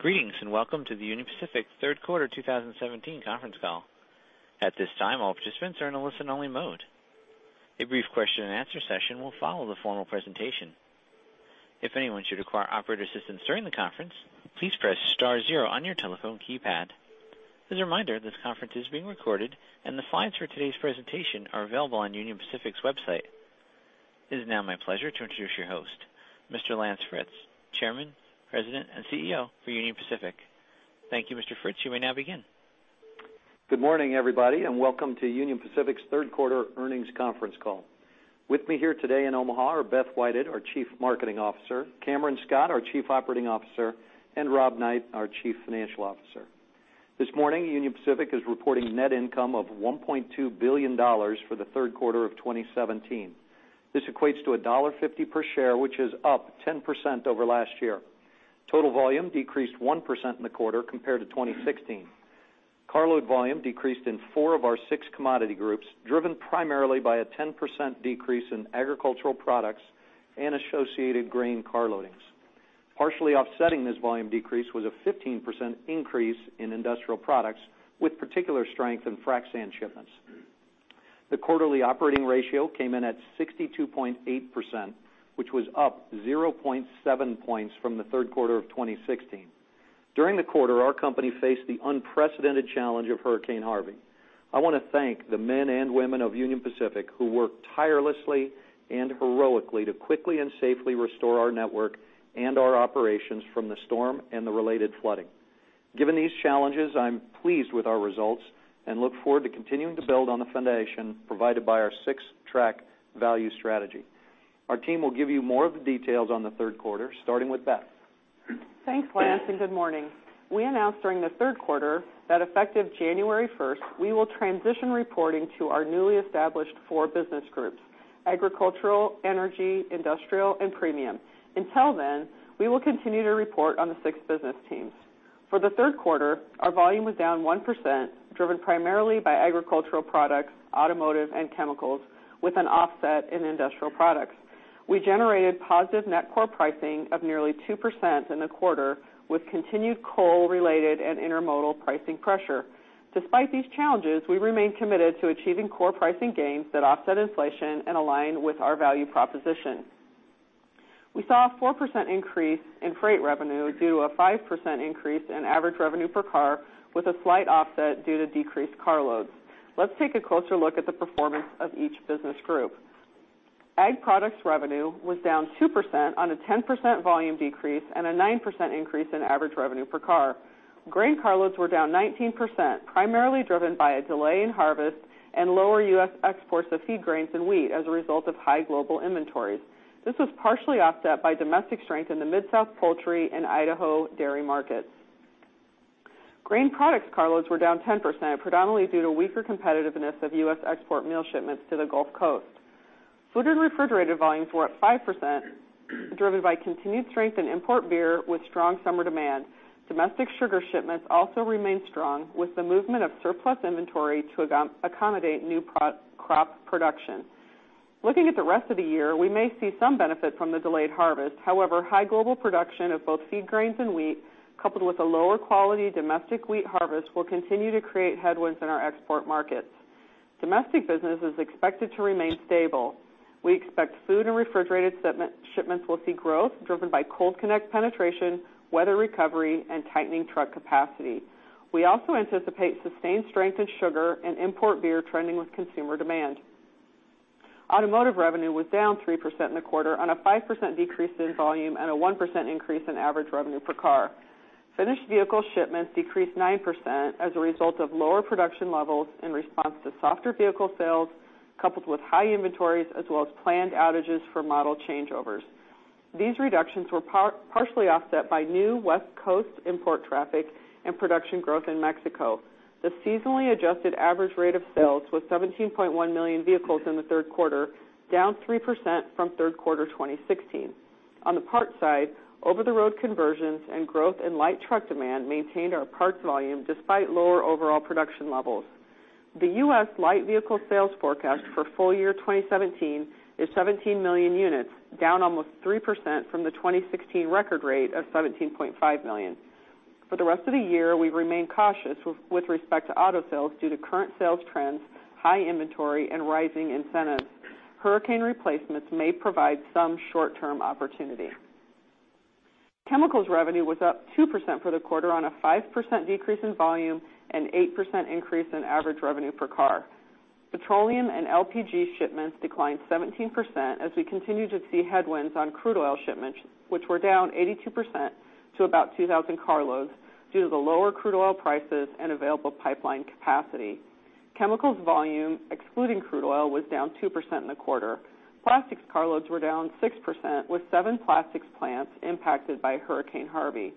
Greetings, welcome to the Union Pacific third quarter 2017 conference call. At this time, all participants are in a listen-only mode. A brief question-and-answer session will follow the formal presentation. If anyone should require operator assistance during the conference, please press star 0 on your telephone keypad. As a reminder, this conference is being recorded, the slides for today's presentation are available on unionpacific.com. It is now my pleasure to introduce your host, Mr. Lance Fritz, Chairman, President, and CEO for Union Pacific. Thank you, Mr. Fritz. You may now begin. Good morning, everybody, welcome to Union Pacific's third quarter earnings conference call. With me here today in Omaha are Beth Whited, our Chief Marketing Officer, Cameron Scott, our Chief Operating Officer, Rob Knight, our Chief Financial Officer. This morning, Union Pacific is reporting net income of $1.2 billion for the third quarter of 2017. This equates to $1.50 per share, which is up 10% over last year. Total volume decreased 1% in the quarter compared to 2016. Carload volume decreased in 4 of our 6 commodity groups, driven primarily by a 10% decrease in agricultural products and associated grain car loadings. Partially offsetting this volume decrease was a 15% increase in industrial products, with particular strength in frac sand shipments. The quarterly operating ratio came in at 62.8%, which was up 0.7 points from the third quarter of 2016. During the quarter, our company faced the unprecedented challenge of Hurricane Harvey. I want to thank the men and women of Union Pacific who worked tirelessly and heroically to quickly and safely restore our network and our operations from the storm and the related flooding. Given these challenges, I'm pleased with our results, look forward to continuing to build on the foundation provided by our Six Track value strategy. Our team will give you more of the details on the third quarter, starting with Beth. Thanks, Lance, good morning. We announced during the third quarter that effective January 1st, we will transition reporting to our newly established 4 business groups, agricultural, energy, industrial, and premium. Until then, we will continue to report on the 6 business teams. For the third quarter, our volume was down 1%, driven primarily by agricultural products, automotive, and chemicals, with an offset in industrial products. We generated positive net core pricing of nearly 2% in the quarter with continued coal-related and intermodal pricing pressure. Despite these challenges, we remain committed to achieving core pricing gains that offset inflation and align with our value proposition. We saw a 4% increase in freight revenue due to a 5% increase in average revenue per car with a slight offset due to decreased car loads. Let's take a closer look at the performance of each business group. Ag products revenue was down 2% on a 10% volume decrease and a 9% increase in average revenue per car. Grain car loads were down 19%, primarily driven by a delay in harvest and lower U.S. exports of feed grains and wheat as a result of high global inventories. This was partially offset by domestic strength in the Mid-South poultry and Idaho dairy markets. Grain products car loads were down 10%, predominantly due to weaker competitiveness of U.S. export meal shipments to the Gulf Coast. Food and refrigerated volumes were up 5%, driven by continued strength in import beer with strong summer demand. Domestic sugar shipments also remained strong with the movement of surplus inventory to accommodate new crop production. Looking at the rest of the year, we may see some benefit from the delayed harvest. High global production of both feed grains and wheat, coupled with a lower quality domestic wheat harvest, will continue to create headwinds in our export markets. Domestic business is expected to remain stable. We expect food and refrigerated shipments will see growth driven by Cold Connect penetration, weather recovery, and tightening truck capacity. We also anticipate sustained strength in sugar and import beer trending with consumer demand. Automotive revenue was down 3% in the quarter on a 5% decrease in volume and a 1% increase in average revenue per car. Finished vehicle shipments decreased 9% as a result of lower production levels in response to softer vehicle sales, coupled with high inventories as well as planned outages for model changeovers. These reductions were partially offset by new West Coast import traffic and production growth in Mexico. The seasonally adjusted average rate of sales was 17.1 million vehicles in the third quarter, down 3% from third quarter 2016. On the parts side, over-the-road conversions and growth in light truck demand maintained our parts volume despite lower overall production levels. The U.S. light vehicle sales forecast for full year 2017 is 17 million units, down almost 3% from the 2016 record rate of 17.5 million. For the rest of the year, we remain cautious with respect to auto sales due to current sales trends, high inventory, and rising incentives. Hurricane replacements may provide some short-term opportunity. Chemicals revenue was up 2% for the quarter on a 5% decrease in volume and 8% increase in average revenue per car. Petroleum and LPG shipments declined 17% as we continue to see headwinds on crude oil shipments, which were down 82% to about 2,000 carloads due to the lower crude oil prices and available pipeline capacity. Chemicals volume, excluding crude oil, was down 2% in the quarter. Plastics car loads were down 6%, with seven plastics plants impacted by Hurricane Harvey.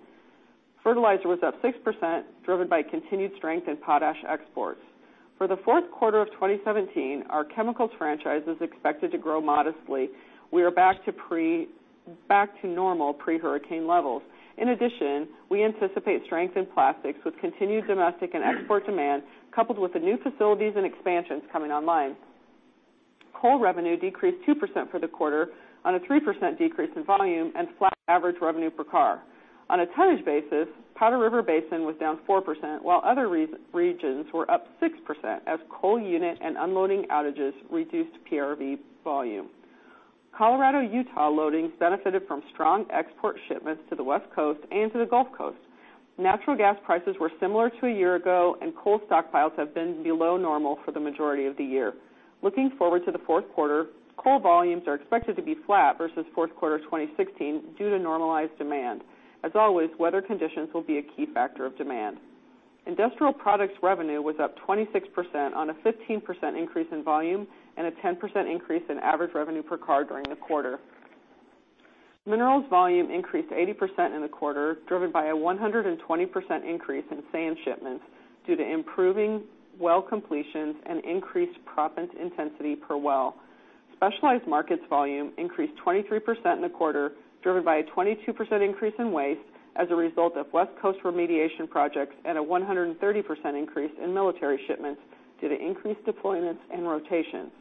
Fertilizer was up 6%, driven by continued strength in potash exports. For the fourth quarter of 2017, our chemicals franchise is expected to grow modestly. We are back to normal pre-hurricane levels. In addition, we anticipate strength in plastics with continued domestic and export demand, coupled with the new facilities and expansions coming online. Coal revenue decreased 2% for the quarter on a 3% decrease in volume and flat average revenue per car. On a tonnage basis, Powder River Basin was down 4%, while other regions were up 6% as coal unit and unloading outages reduced PRB volume. Colorado Utah loadings benefited from strong export shipments to the West Coast and to the Gulf Coast. Natural gas prices were similar to a year ago, and coal stockpiles have been below normal for the majority of the year. Looking forward to the fourth quarter, coal volumes are expected to be flat versus fourth quarter 2016 due to normalized demand. As always, weather conditions will be a key factor of demand. Industrial products revenue was up 26% on a 15% increase in volume and a 10% increase in average revenue per car during the quarter. Minerals volume increased 80% in the quarter, driven by a 120% increase in sand shipments due to improving well completions and increased proppant intensity per well. Specialized markets volume increased 23% in the quarter, driven by a 22% increase in waste as a result of West Coast remediation projects and a 130% increase in military shipments due to increased deployments and rotations.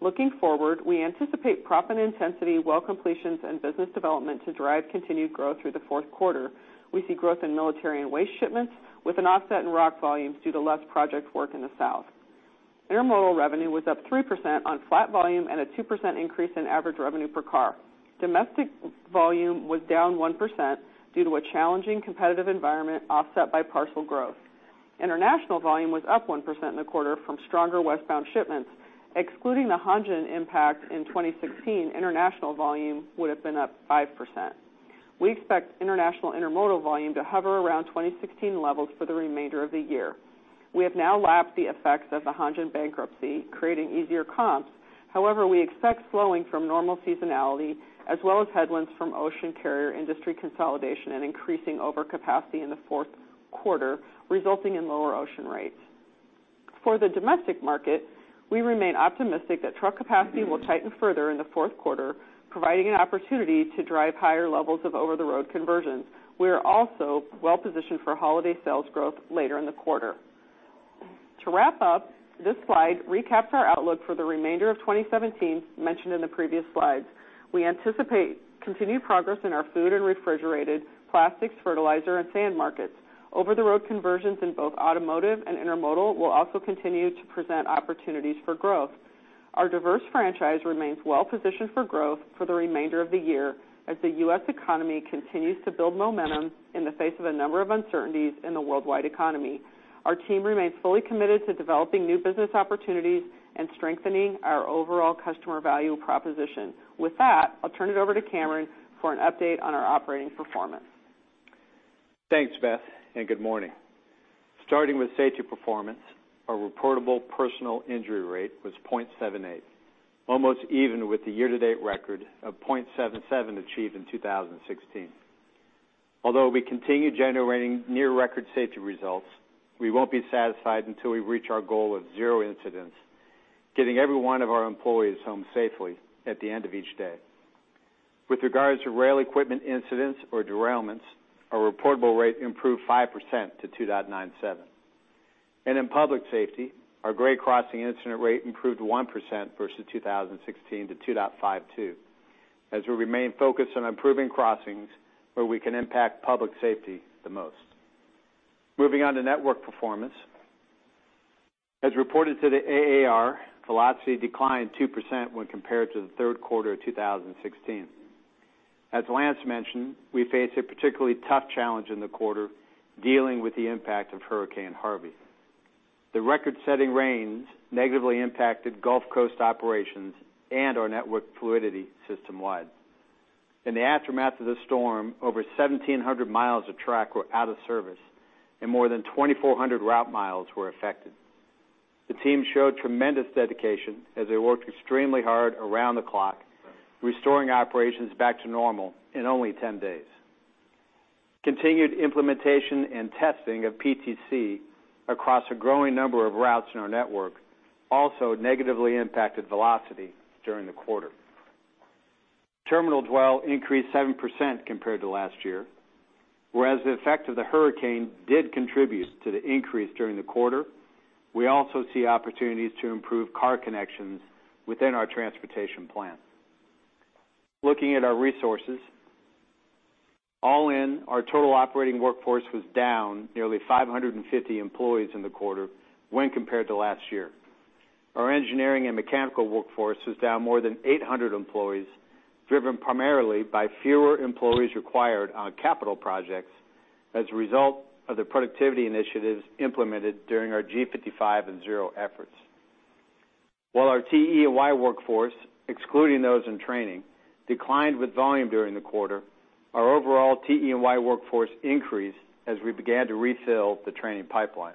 Looking forward, we anticipate proppant intensity, well completions, and business development to drive continued growth through the fourth quarter. We see growth in military and waste shipments, with an offset in rock volumes due to less project work in the South. Intermodal revenue was up 3% on flat volume and a 2% increase in average revenue per car. Domestic volume was down 1% due to a challenging competitive environment offset by partial growth. International volume was up 1% in the quarter from stronger westbound shipments. Excluding the Hanjin impact in 2016, international volume would've been up 5%. We expect international intermodal volume to hover around 2016 levels for the remainder of the year. We have now lapped the effects of the Hanjin bankruptcy, creating easier comps. However, we expect slowing from normal seasonality as well as headwinds from ocean carrier industry consolidation and increasing overcapacity in the fourth quarter, resulting in lower ocean rates. For the domestic market, we remain optimistic that truck capacity will tighten further in the fourth quarter, providing an opportunity to drive higher levels of over-the-road conversions. We are also well-positioned for holiday sales growth later in the quarter. To wrap up, this slide recaps our outlook for the remainder of 2017 mentioned in the previous slides. We anticipate continued progress in our food and refrigerated, plastics, fertilizer, and sand markets. Over-the-road conversions in both automotive and intermodal will also continue to present opportunities for growth. Our diverse franchise remains well-positioned for growth for the remainder of the year as the U.S. economy continues to build momentum in the face of a number of uncertainties in the worldwide economy. Our team remains fully committed to developing new business opportunities and strengthening our overall customer value proposition. With that, I'll turn it over to Cameron for an update on our operating performance. Thanks, Beth, and good morning. Starting with safety performance, our reportable personal injury rate was 0.78, almost even with the year-to-date record of 0.77 achieved in 2016. Although we continue generating near record safety results, we won't be satisfied until we reach our goal of zero incidents, getting every one of our employees home safely at the end of each day. With regards to rail equipment incidents or derailments, our reportable rate improved 5% to 2.97. In public safety, our grade crossing incident rate improved 1% versus 2016 to 2.52, as we remain focused on improving crossings where we can impact public safety the most. Moving on to network performance. As reported to the AAR, velocity declined 2% when compared to the third quarter of 2016. As Lance mentioned, we faced a particularly tough challenge in the quarter dealing with the impact of Hurricane Harvey. The record-setting rains negatively impacted Gulf Coast operations and our network fluidity system-wide. In the aftermath of the storm, over 1,700 miles of track were out of service, and more than 2,400 route miles were affected. The team showed tremendous dedication as they worked extremely hard around the clock, restoring operations back to normal in only 10 days. Continued implementation and testing of PTC across a growing number of routes in our network also negatively impacted velocity during the quarter. Terminal dwell increased 7% compared to last year. Whereas the effect of the hurricane did contribute to the increase during the quarter, we also see opportunities to improve car connections within our transportation plan. Looking at our resources. All in, our total operating workforce was down nearly 550 employees in the quarter when compared to last year. Our engineering and mechanical workforce was down more than 800 employees, driven primarily by fewer employees required on capital projects as a result of the productivity initiatives implemented during our G55 and Zero efforts. While our TE&Y workforce, excluding those in training, declined with volume during the quarter, our overall TE&Y workforce increased as we began to refill the training pipeline.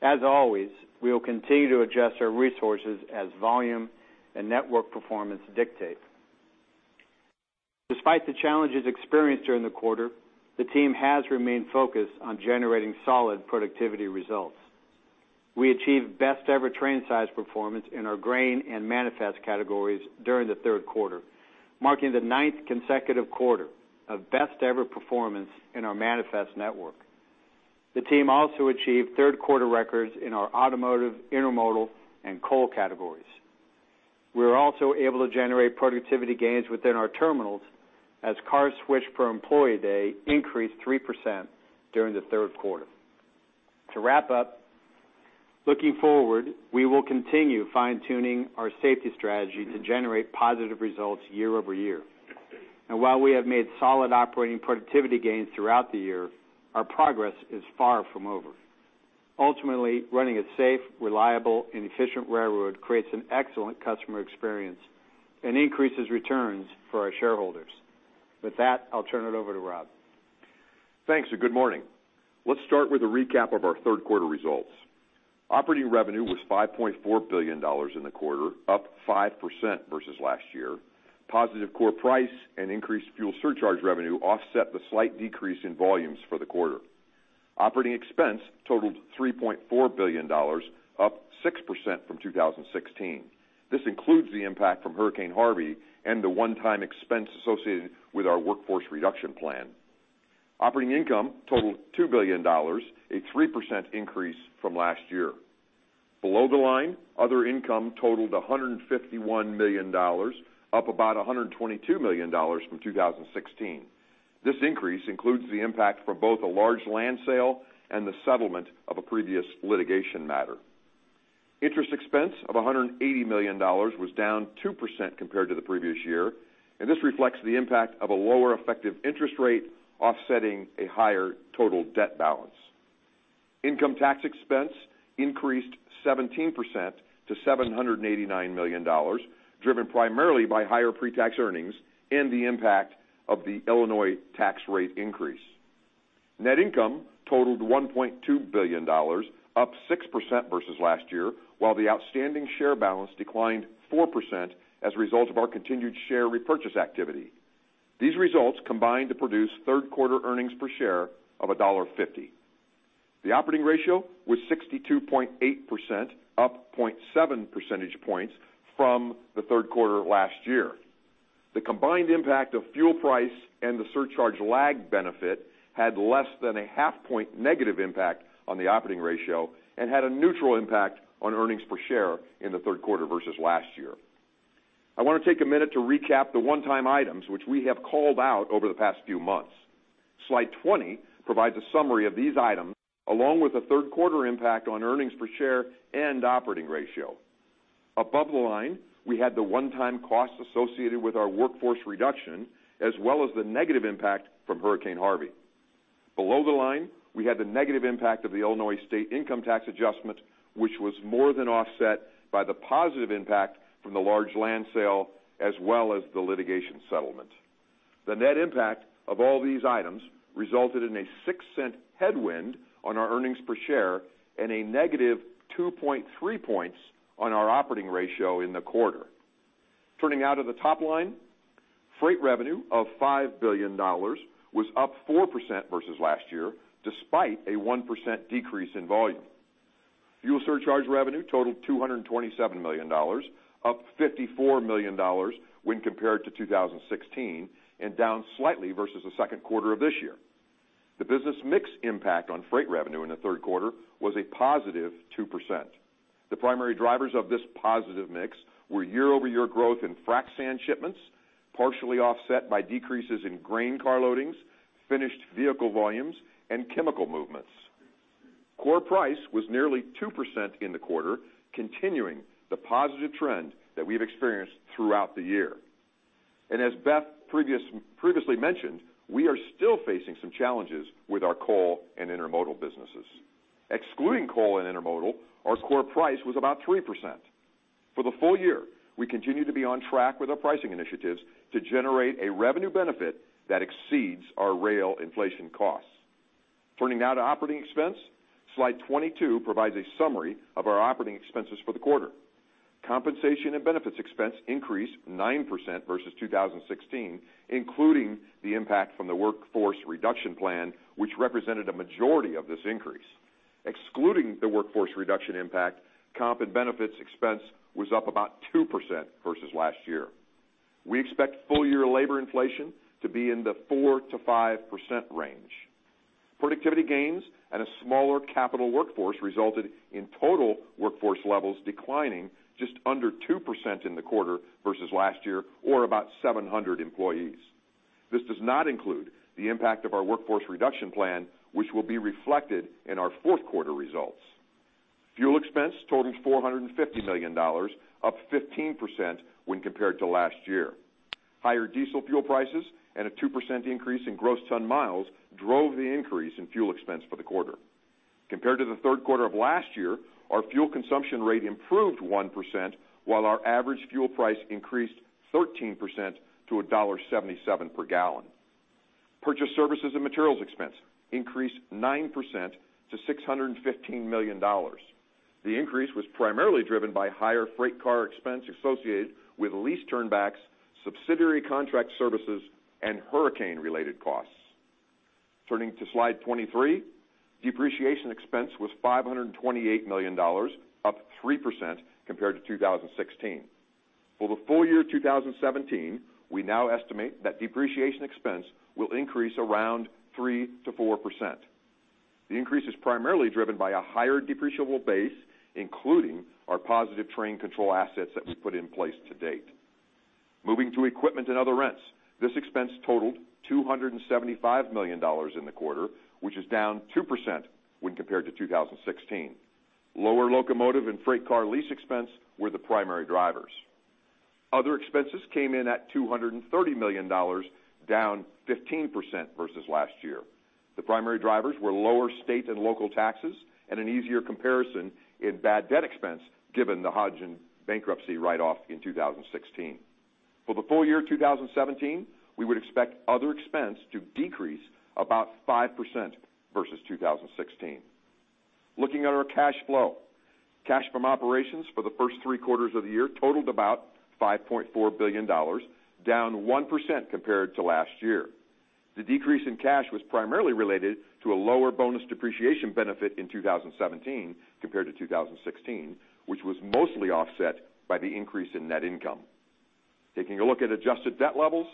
As always, we will continue to adjust our resources as volume and network performance dictate. Despite the challenges experienced during the quarter, the team has remained focused on generating solid productivity results. We achieved best-ever train size performance in our grain and manifest categories during the third quarter, marking the ninth consecutive quarter of best-ever performance in our manifest network. The team also achieved third quarter records in our automotive, intermodal, and coal categories. We were also able to generate productivity gains within our terminals as cars switched per employee day increased 3% during the third quarter. To wrap up, looking forward, we will continue fine-tuning our safety strategy to generate positive results year-over-year. While we have made solid operating productivity gains throughout the year, our progress is far from over. Ultimately, running a safe, reliable, and efficient railroad creates an excellent customer experience and increases returns for our shareholders. With that, I'll turn it over to Rob. Thanks. Good morning. Let's start with a recap of our third quarter results. Operating revenue was $5.4 billion in the quarter, up 5% versus last year. Positive core price and increased fuel surcharge revenue offset the slight decrease in volumes for the quarter. Operating expense totaled $3.4 billion, up 6% from 2016. This includes the impact from Hurricane Harvey and the one-time expense associated with our workforce reduction plan. Operating income totaled $2 billion, a 3% increase from last year. Below the line, other income totaled $151 million, up about $122 million from 2016. This increase includes the impact from both a large land sale and the settlement of a previous litigation matter. Interest expense of $180 million was down 2% compared to the previous year. This reflects the impact of a lower effective interest rate offsetting a higher total debt balance. Income tax expense increased 17% to $789 million, driven primarily by higher pre-tax earnings and the impact of the Illinois tax rate increase. Net income totaled $1.2 billion, up 6% versus last year, while the outstanding share balance declined 4% as a result of our continued share repurchase activity. These results combined to produce third quarter earnings per share of $1.50. The operating ratio was 62.8%, up 0.7 percentage points from the third quarter last year. The combined impact of fuel price and the surcharge lag benefit had less than a half point negative impact on the operating ratio and had a neutral impact on earnings per share in the third quarter versus last year. I want to take a minute to recap the one-time items which we have called out over the past few months. Slide 20 provides a summary of these items, along with the third quarter impact on earnings per share and operating ratio. Above the line, we had the one-time costs associated with our workforce reduction, as well as the negative impact from Hurricane Harvey. Below the line, we had the negative impact of the Illinois state income tax adjustment, which was more than offset by the positive impact from the large land sale, as well as the litigation settlement. The net impact of all these items resulted in a $0.06 headwind on our earnings per share and a negative 2.3 points on our operating ratio in the quarter. Turning now to the top line, freight revenue of $5 billion was up 4% versus last year, despite a 1% decrease in volume. Fuel surcharge revenue totaled $227 million, up $54 million when compared to 2016. Down slightly versus the second quarter of this year. The business mix impact on freight revenue in the third quarter was a positive 2%. The primary drivers of this positive mix were year-over-year growth in frac sand shipments, partially offset by decreases in grain car loadings, finished vehicle volumes, and chemical movements. Core price was nearly 2% in the quarter, continuing the positive trend that we've experienced throughout the year. As Beth previously mentioned, we are still facing some challenges with our coal and intermodal businesses. Excluding coal and intermodal, our core price was about 3%. For the full year, we continue to be on track with our pricing initiatives to generate a revenue benefit that exceeds our rail inflation costs. Turning now to operating expense, slide 22 provides a summary of our operating expenses for the quarter. Compensation and benefits expense increased 9% versus 2016, including the impact from the workforce reduction plan, which represented a majority of this increase. Excluding the workforce reduction impact, comp and benefits expense was up about 2% versus last year. We expect full-year labor inflation to be in the 4%-5% range. Productivity gains and a smaller capital workforce resulted in total workforce levels declining just under 2% in the quarter versus last year or about 700 employees. This does not include the impact of our workforce reduction plan, which will be reflected in our fourth quarter results. Fuel expense totaled $450 million, up 15% when compared to last year. Higher diesel fuel prices and a 2% increase in gross ton miles drove the increase in fuel expense for the quarter. Compared to the third quarter of last year, our fuel consumption rate improved 1%, while our average fuel price increased 13% to $1.77 per gallon. Purchase services and materials expense increased 9% to $615 million. The increase was primarily driven by higher freight car expense associated with lease turn backs, subsidiary contract services, and hurricane-related costs. Turning to slide 23, depreciation expense was $528 million, up 3% compared to 2016. For the full year 2017, we now estimate that depreciation expense will increase around 3%-4%. The increase is primarily driven by a higher depreciable base, including our positive train control assets that we put in place to date. Moving to equipment and other rents. This expense totaled $275 million in the quarter, which is down 2% when compared to 2016. Lower locomotive and freight car lease expense were the primary drivers. Other expenses came in at $230 million, down 15% versus last year. The primary drivers were lower state and local taxes and an easier comparison in bad debt expense given the Hanjin bankruptcy write-off in 2016. For the full year 2017, we would expect other expense to decrease about 5% versus 2016. Looking at our cash flow. Cash from operations for the first three quarters of the year totaled about $5.4 billion, down 1% compared to last year. The decrease in cash was primarily related to a lower bonus depreciation benefit in 2017 compared to 2016, which was mostly offset by the increase in net income. Taking a look at adjusted debt levels,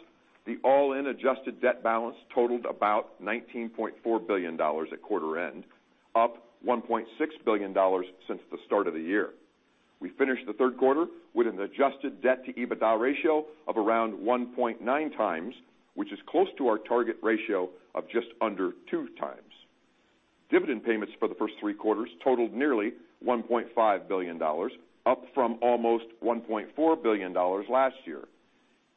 the all-in adjusted debt balance totaled about $19.4 billion at quarter end, up $1.6 billion since the start of the year. We finished the third quarter with an adjusted debt to EBITDA ratio of around 1.9 times, which is close to our target ratio of just under two times. Dividend payments for the first three quarters totaled nearly $1.5 billion, up from almost $1.4 billion last year.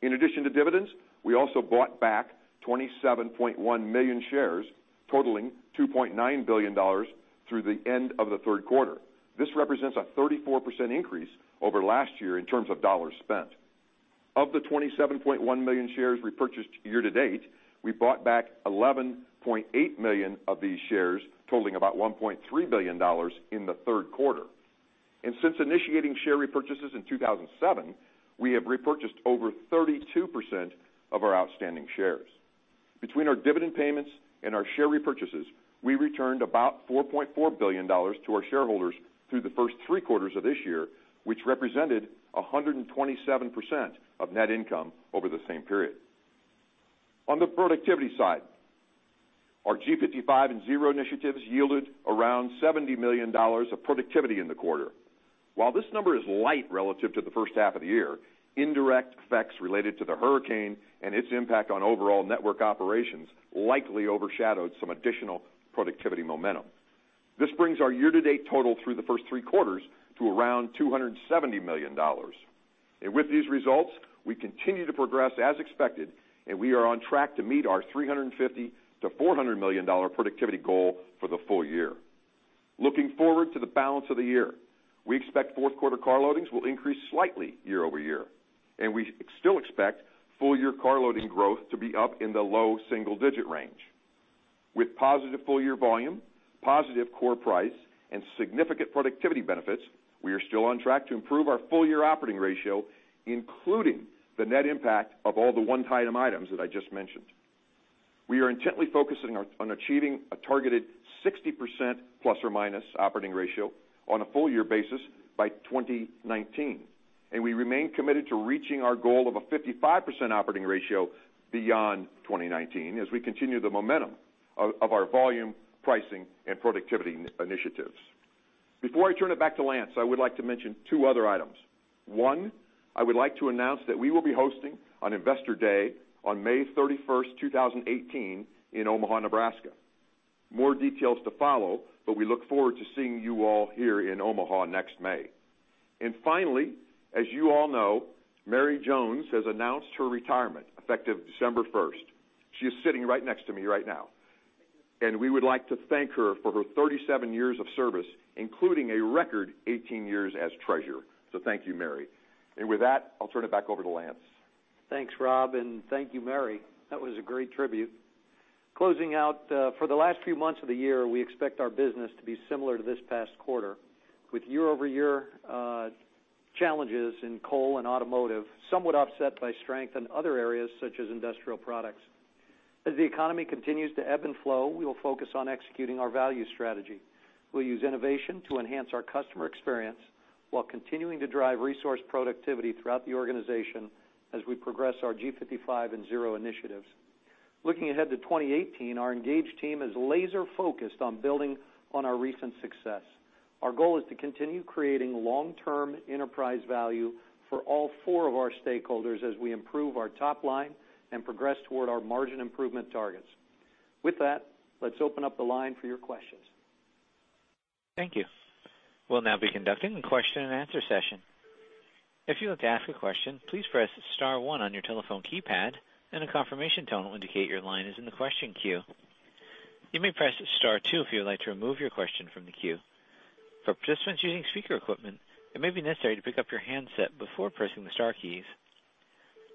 In addition to dividends, we also bought back 27.1 million shares, totaling $2.9 billion through the end of the third quarter. This represents a 34% increase over last year in terms of dollars spent. Of the 27.1 million shares we purchased year to date, we bought back 11.8 million of these shares, totaling about $1.3 billion in the third quarter. Since initiating share repurchases in 2007, we have repurchased over 32% of our outstanding shares. Between our dividend payments and our share repurchases, we returned about $4.4 billion to our shareholders through the first three quarters of this year, which represented 127% of net income over the same period. On the productivity side, our G55 and Zero initiatives yielded around $70 million of productivity in the quarter. While this number is light relative to the first half of the year, indirect effects related to the hurricane and its impact on overall network operations likely overshadowed some additional productivity momentum. This brings our year-to-date total through the first three quarters to around $270 million. With these results, we continue to progress as expected, and we are on track to meet our $350 million-$400 million productivity goal for the full year. Looking forward to the balance of the year, we expect fourth quarter car loadings will increase slightly year-over-year, and we still expect full-year car loading growth to be up in the low single-digit range. With positive full-year volume, positive core price, and significant productivity benefits, we are still on track to improve our full-year operating ratio, including the net impact of all the one-time items that I just mentioned. We are intently focusing on achieving a targeted 60% ± operating ratio on a full-year basis by 2019, and we remain committed to reaching our goal of a 55% operating ratio beyond 2019 as we continue the momentum of our volume, pricing, and productivity initiatives. Before I turn it back to Lance, I would like to mention two other items. One, I would like to announce that we will be hosting an Investor Day on May 31st, 2018, in Omaha, Nebraska. More details to follow, but we look forward to seeing you all here in Omaha next May. Finally, as you all know, Mary Jones has announced her retirement effective December 1st. She is sitting right next to me right now, and we would like to thank her for her 37 years of service, including a record 18 years as treasurer. Thank you, Mary. With that, I'll turn it back over to Lance. Thanks, Rob, and thank you, Mary. That was a great tribute. Closing out, for the last few months of the year, we expect our business to be similar to this past quarter, with year-over-year challenges in coal and automotive somewhat offset by strength in other areas such as industrial products. As the economy continues to ebb and flow, we will focus on executing our Value Strategy. We'll use innovation to enhance our customer experience while continuing to drive resource productivity throughout the organization as we progress our G55 and Zero initiatives. Looking ahead to 2018, our engaged team is laser-focused on building on our recent success. Our goal is to continue creating long-term enterprise value for all four of our stakeholders as we improve our top line and progress toward our margin improvement targets. With that, let's open up the line for your questions. Thank you. We'll now be conducting a question-and-answer session. If you would like to ask a question, please press star 1 on your telephone keypad, and a confirmation tone will indicate your line is in the question queue. You may press star two if you would like to remove your question from the queue. For participants using speaker equipment, it may be necessary to pick up your handset before pressing the star keys.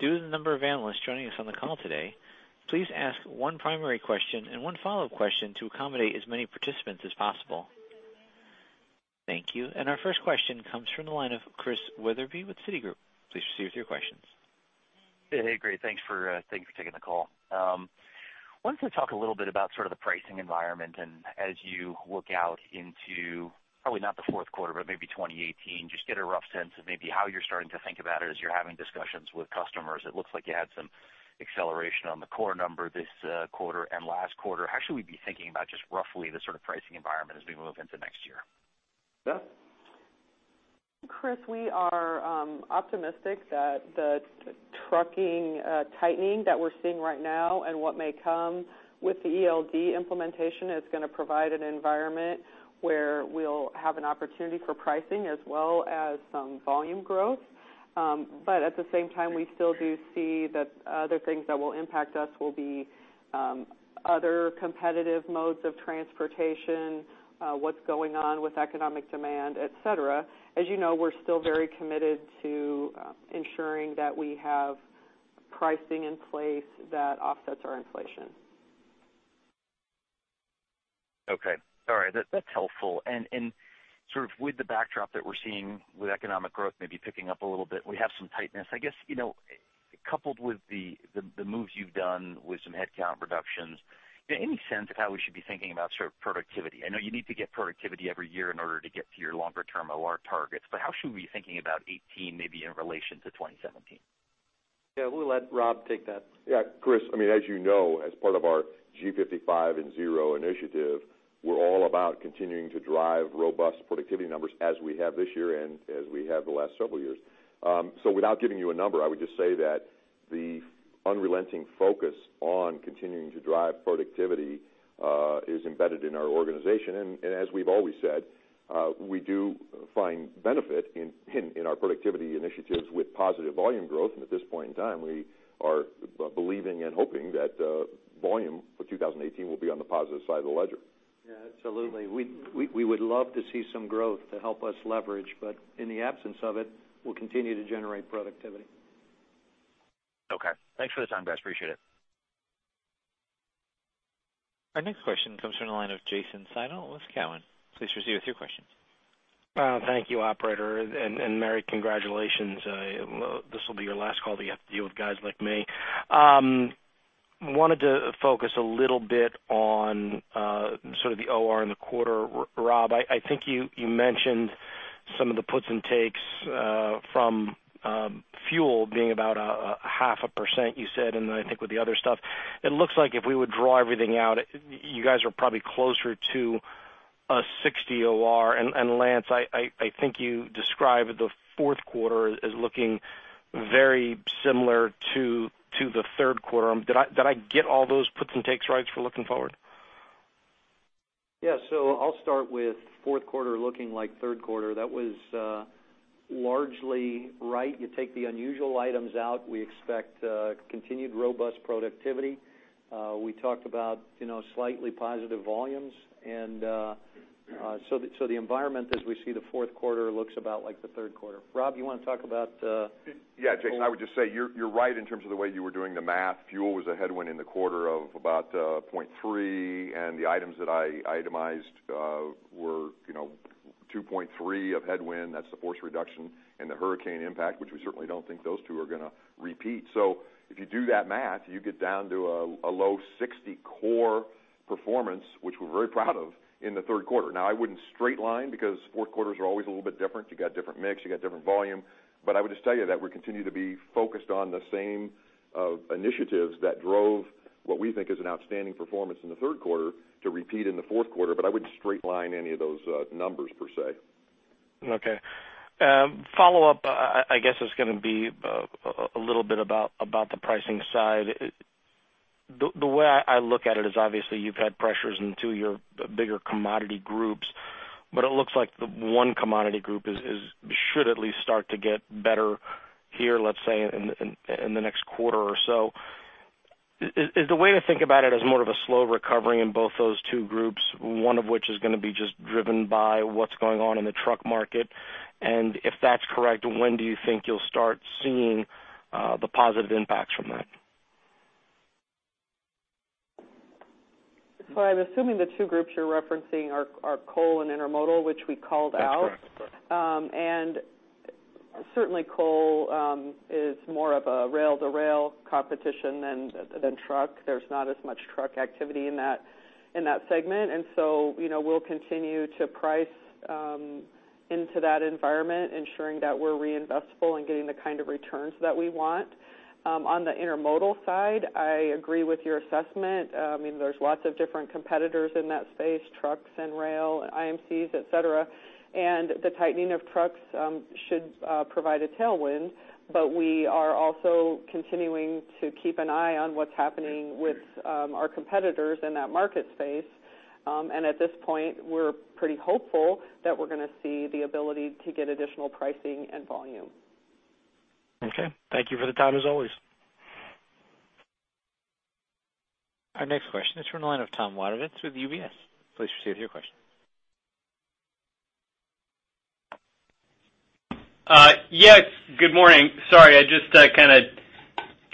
Due to the number of analysts joining us on the call today, please ask one primary question and one follow-up question to accommodate as many participants as possible. Thank you. Our first question comes from the line of Chris Wetherbee with Citigroup. Please proceed with your questions. Hey, great. Thanks for taking the call. Wanted to talk a little bit about sort of the pricing environment and as you look out into, probably not the fourth quarter, but maybe 2018, just get a rough sense of maybe how you're starting to think about it as you're having discussions with customers. It looks like you had some acceleration on the core number this quarter and last quarter. How should we be thinking about, just roughly, the sort of pricing environment as we move into next year? Beth? Chris, we are optimistic that the trucking tightening that we're seeing right now and what may come with the ELD implementation is going to provide an environment where we'll have an opportunity for pricing as well as some volume growth. At the same time, we still do see that other things that will impact us will be other competitive modes of transportation, what's going on with economic demand, et cetera. As you know, we're still very committed to ensuring that we have pricing in place that offsets our inflation. Okay. All right. That's helpful. Sort of with the backdrop that we're seeing with economic growth maybe picking up a little bit, we have some tightness. I guess, coupled with the moves you've done with some headcount reductions, any sense of how we should be thinking about sort of productivity? I know you need to get productivity every year in order to get to your longer term OR targets, how should we be thinking about 2018 maybe in relation to 2017? Yeah, we'll let Rob take that. Yeah, Chris, as you know, as part of our G55 and Zero initiative, we're all about continuing to drive robust productivity numbers as we have this year and as we have the last several years. Without giving you a number, I would just say that the unrelenting focus on continuing to drive productivity is embedded in our organization. As we've always said, we do find benefit in our productivity initiatives with positive volume growth. At this point in time, we are believing and hoping that volume for 2018 will be on the positive side of the ledger. Yeah, absolutely. We would love to see some growth to help us leverage, in the absence of it, we'll continue to generate productivity. Okay. Thanks for the time, guys. Appreciate it. Our next question comes from the line of Jason Seidl with Cowen. Please proceed with your question. Thank you, operator, and Mary, congratulations. This will be your last call that you have to deal with guys like me. I wanted to focus a little bit on sort of the OR in the quarter. Rob, I think you mentioned some of the puts and takes from fuel being about a half a percent you said, and then I think with the other stuff. It looks like if we would draw everything out, you guys are probably closer to a 60 OR. Lance, I think you described the fourth quarter as looking very similar to the third quarter. Did I get all those puts and takes right for looking forward? Yeah. I'll start with fourth quarter looking like third quarter. That was largely right. You take the unusual items out, we expect continued robust productivity. We talked about slightly positive volumes. The environment as we see the fourth quarter looks about like the third quarter. Rob, you want to talk about- Yeah, Jason, I would just say you're right in terms of the way you were doing the math. Fuel was a headwind in the quarter of about 0.3, and the items that I itemized were 2.3 of headwind. That's the force reduction and the hurricane impact, which we certainly don't think those two are going to repeat. If you do that math, you get down to a low 60 core performance, which we're very proud of in the third quarter. I wouldn't straight line because fourth quarters are always a little bit different. You got different mix, you got different volume. I would just tell you that we continue to be focused on the same initiatives that drove what we think is an outstanding performance in the third quarter to repeat in the fourth quarter. I wouldn't straight line any of those numbers per se. Okay. Follow-up, I guess, is going to be a little bit about the pricing side. The way I look at it is obviously you've had pressures in two of your bigger commodity groups, but it looks like the one commodity group should at least start to get better here, let's say in the next quarter or so. Is the way to think about it as more of a slow recovery in both those two groups, one of which is going to be just driven by what's going on in the truck market? If that's correct, when do you think you'll start seeing the positive impacts from that? I'm assuming the two groups you're referencing are coal and intermodal, which we called out. That's correct. Certainly, coal is more of a rail-to-rail competition than truck. There's not as much truck activity in that segment. We'll continue to price into that environment, ensuring that we're reinvestable and getting the kind of returns that we want. On the intermodal side, I agree with your assessment. There's lots of different competitors in that space, trucks and rail, IMCs, et cetera. The tightening of trucks should provide a tailwind, but we are also continuing to keep an eye on what's happening with our competitors in that market space. At this point, we're pretty hopeful that we're going to see the ability to get additional pricing and volume. Okay. Thank you for the time, as always. Our next question is from the line of Tom Wadewitz with UBS. Please proceed with your question. Yes, good morning. Sorry, I just kind of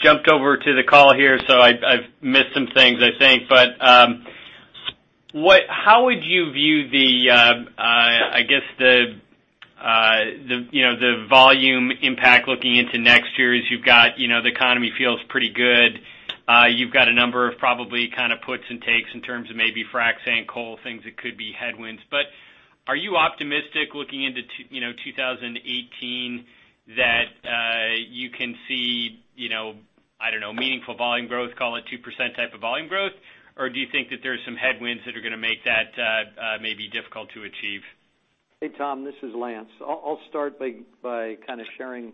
jumped over to the call here, so I've missed some things, I think. How would you view the The volume impact looking into next year is the economy feels pretty good. You've got a number of probably puts and takes in terms of maybe frac sand, coal, things that could be headwinds. Are you optimistic looking into 2018 that you can see, I don't know, meaningful volume growth, call it 2% type of volume growth? Or do you think that there are some headwinds that are going to make that maybe difficult to achieve? Hey, Tom, this is Lance. I'll start by sharing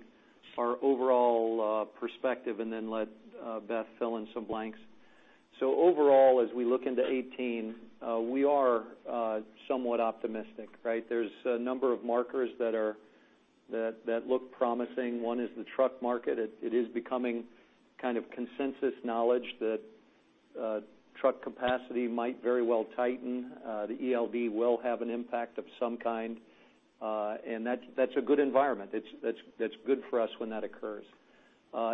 our overall perspective and then let Beth fill in some blanks. Overall, as we look into 2018, we are somewhat optimistic, right? There's a number of markers that look promising. One is the truck market. It is becoming kind of consensus knowledge that truck capacity might very well tighten. The ELD will have an impact of some kind. That's a good environment. That's good for us when that occurs.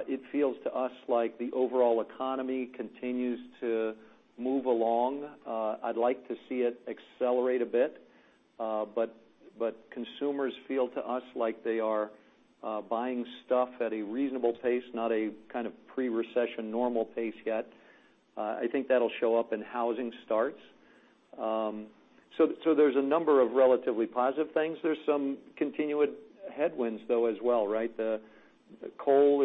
It feels to us like the overall economy continues to move along. I'd like to see it accelerate a bit. Consumers feel to us like they are buying stuff at a reasonable pace, not a kind of pre-recession normal pace yet. I think that'll show up in housing starts. There's a number of relatively positive things. There's some continued headwinds, though, as well, right? Coal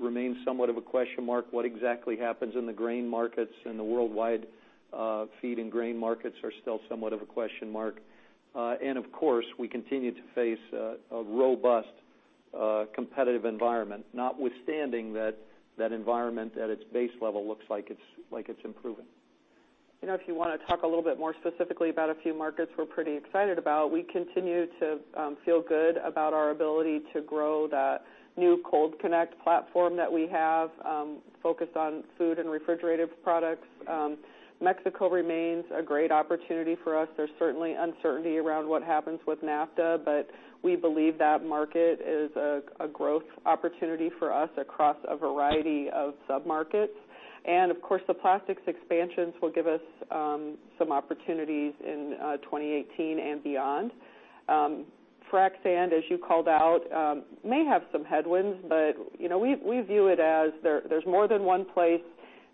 remains somewhat of a question mark. What exactly happens in the grain markets and the worldwide feed and grain markets are still somewhat of a question mark. Of course, we continue to face a robust competitive environment, notwithstanding that that environment at its base level looks like it's improving. If you want to talk a little bit more specifically about a few markets we're pretty excited about, we continue to feel good about our ability to grow that new Cold Connect platform that we have, focused on food and refrigerated products. Mexico remains a great opportunity for us. There's certainly uncertainty around what happens with NAFTA, we believe that market is a growth opportunity for us across a variety of sub-markets. Of course, the plastics expansions will give us some opportunities in 2018 and beyond. Frac sand, as you called out, may have some headwinds, we view it as there's more than one place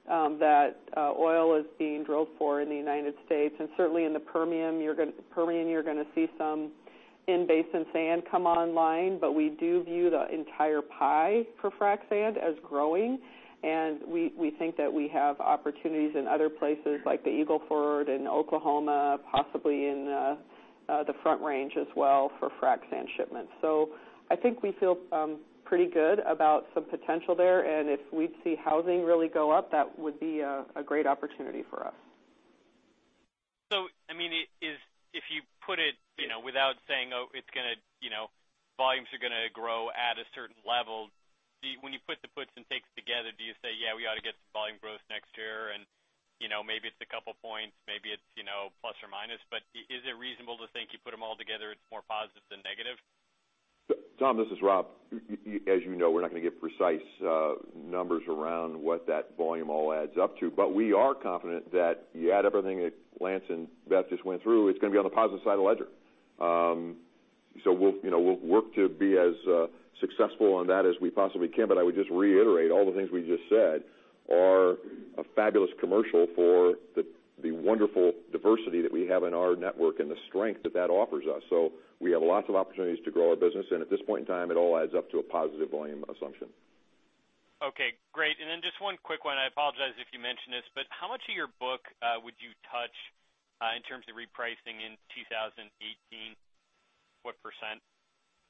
that oil is being drilled for in the United States, and certainly in the Permian, you're going to see some in-basin sand come online, we do view the entire pie for frac sand as growing, we think that we have opportunities in other places like the Eagle Ford in Oklahoma, possibly in the Front Range as well for frac sand shipments. I think we feel pretty good about some potential there, if we see housing really go up, that would be a great opportunity for us. If you put it without saying, volumes are going to grow at a certain level, when you put the puts and takes together, do you say, yeah, we ought to get some volume growth next year and maybe it's a couple points, maybe it's plus or minus, but is it reasonable to think you put them all together, it's more positive than negative? Tom, this is Rob. As you know, we're not going to give precise numbers around what that volume all adds up to. We are confident that you add everything that Lance and Beth just went through, it's going to be on the positive side of the ledger. We'll work to be as successful on that as we possibly can. I would just reiterate, all the things we just said are a fabulous commercial for the wonderful diversity that we have in our network and the strength that that offers us. We have lots of opportunities to grow our business, and at this point in time, it all adds up to a positive volume assumption. Okay, great. Just one quick one. I apologize if you mentioned this, how much of your book would you touch in terms of repricing in 2018? What percent?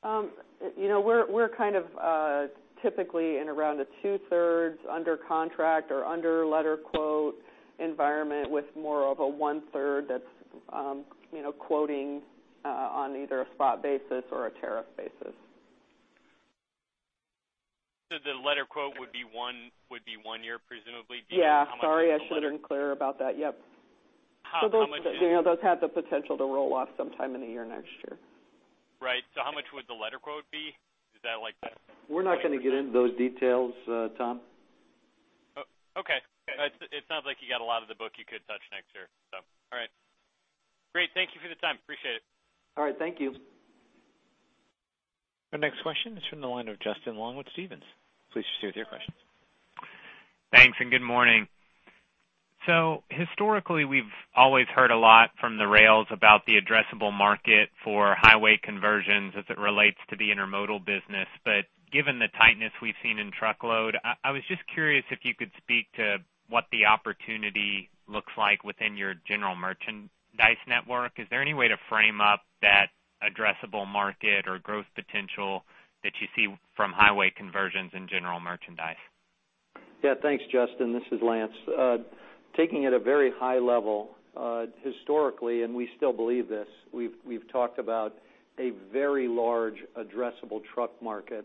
We're kind of typically in around a two-thirds under contract or under letter quote environment with more of a one-third that's quoting on either a spot basis or a tariff basis. The letter quote would be one year, presumably? Yeah. Sorry, I should have been clearer about that. Yep. How much Those have the potential to roll off sometime in the year next year. Right. How much would the letter quote be? We're not going to get into those details, Tom. Okay. It sounds like you got a lot of the book you could touch next year. All right. Great. Thank you for the time. Appreciate it. All right. Thank you. Our next question is from the line of Justin Long with Stephens. Please share your questions. Thanks, good morning. Historically, we've always heard a lot from the rails about the addressable market for highway conversions as it relates to the intermodal business. Given the tightness we've seen in truckload, I was just curious if you could speak to what the opportunity looks like within your general merchandise network. Is there any way to frame up that addressable market or growth potential that you see from highway conversions in general merchandise? Yeah. Thanks, Justin. This is Lance. Taking it a very high level, historically, and we still believe this, we've talked about a very large addressable truck market.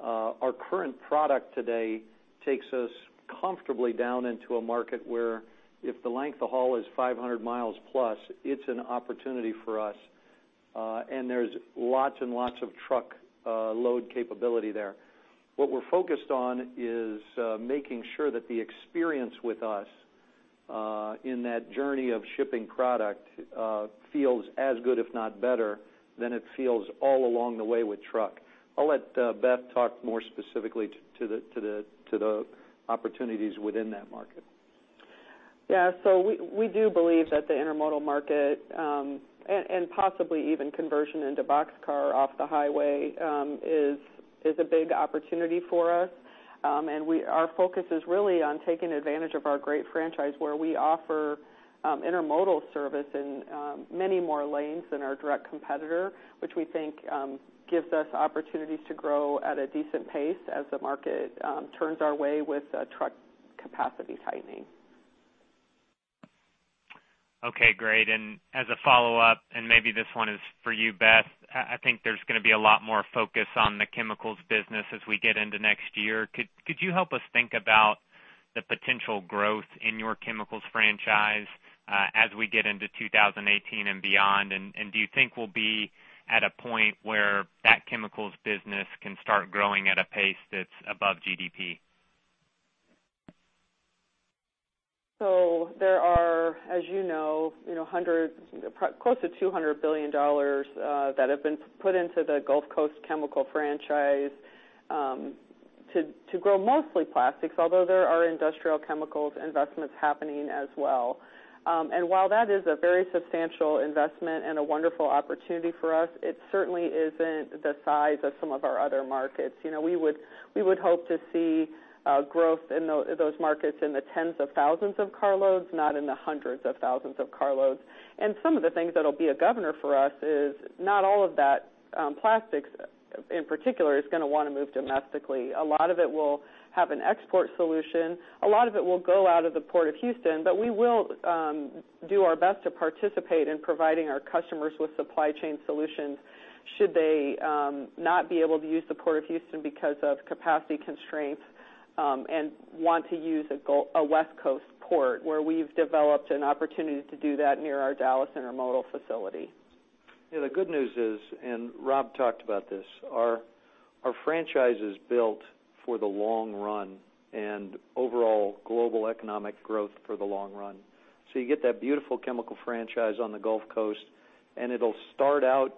Our current product today takes us comfortably down into a market where if the length of haul is 500 miles plus, it's an opportunity for us. There's lots and lots of truckload capability there. What we're focused on is making sure that the experience with us in that journey of shipping product, feels as good, if not better, than it feels all along the way with truck. I'll let Beth talk more specifically to the opportunities within that market. Yeah. We do believe that the intermodal market, and possibly even conversion into boxcar off the highway, is a big opportunity for us. Our focus is really on taking advantage of our great franchise, where we offer intermodal service in many more lanes than our direct competitor, which we think gives us opportunities to grow at a decent pace as the market turns our way with truck capacity tightening. Okay, great. As a follow-up, maybe this one is for you, Beth, I think there's going to be a lot more focus on the chemicals business as we get into next year. Could you help us think about the potential growth in your chemicals franchise as we get into 2018 and beyond? Do you think we'll be at a point where that chemicals business can start growing at a pace that's above GDP? There are, as you know, close to $200 billion that have been put into the Gulf Coast chemical franchise to grow mostly plastics, although there are industrial chemicals investments happening as well. While that is a very substantial investment and a wonderful opportunity for us, it certainly isn't the size of some of our other markets. We would hope to see growth in those markets in the tens of thousands of car loads, not in the hundreds of thousands of car loads. Some of the things that'll be a governor for us is not all of that, plastics in particular, is going to want to move domestically. A lot of it will have an export solution. A lot of it will go out of the Port of Houston, we will do our best to participate in providing our customers with supply chain solutions should they not be able to use the Port of Houston because of capacity constraints and want to use a West Coast port, where we've developed an opportunity to do that near our Dallas intermodal facility. The good news is, Rob talked about this, our franchise is built for the long run and overall global economic growth for the long run. You get that beautiful chemical franchise on the Gulf Coast, it'll start out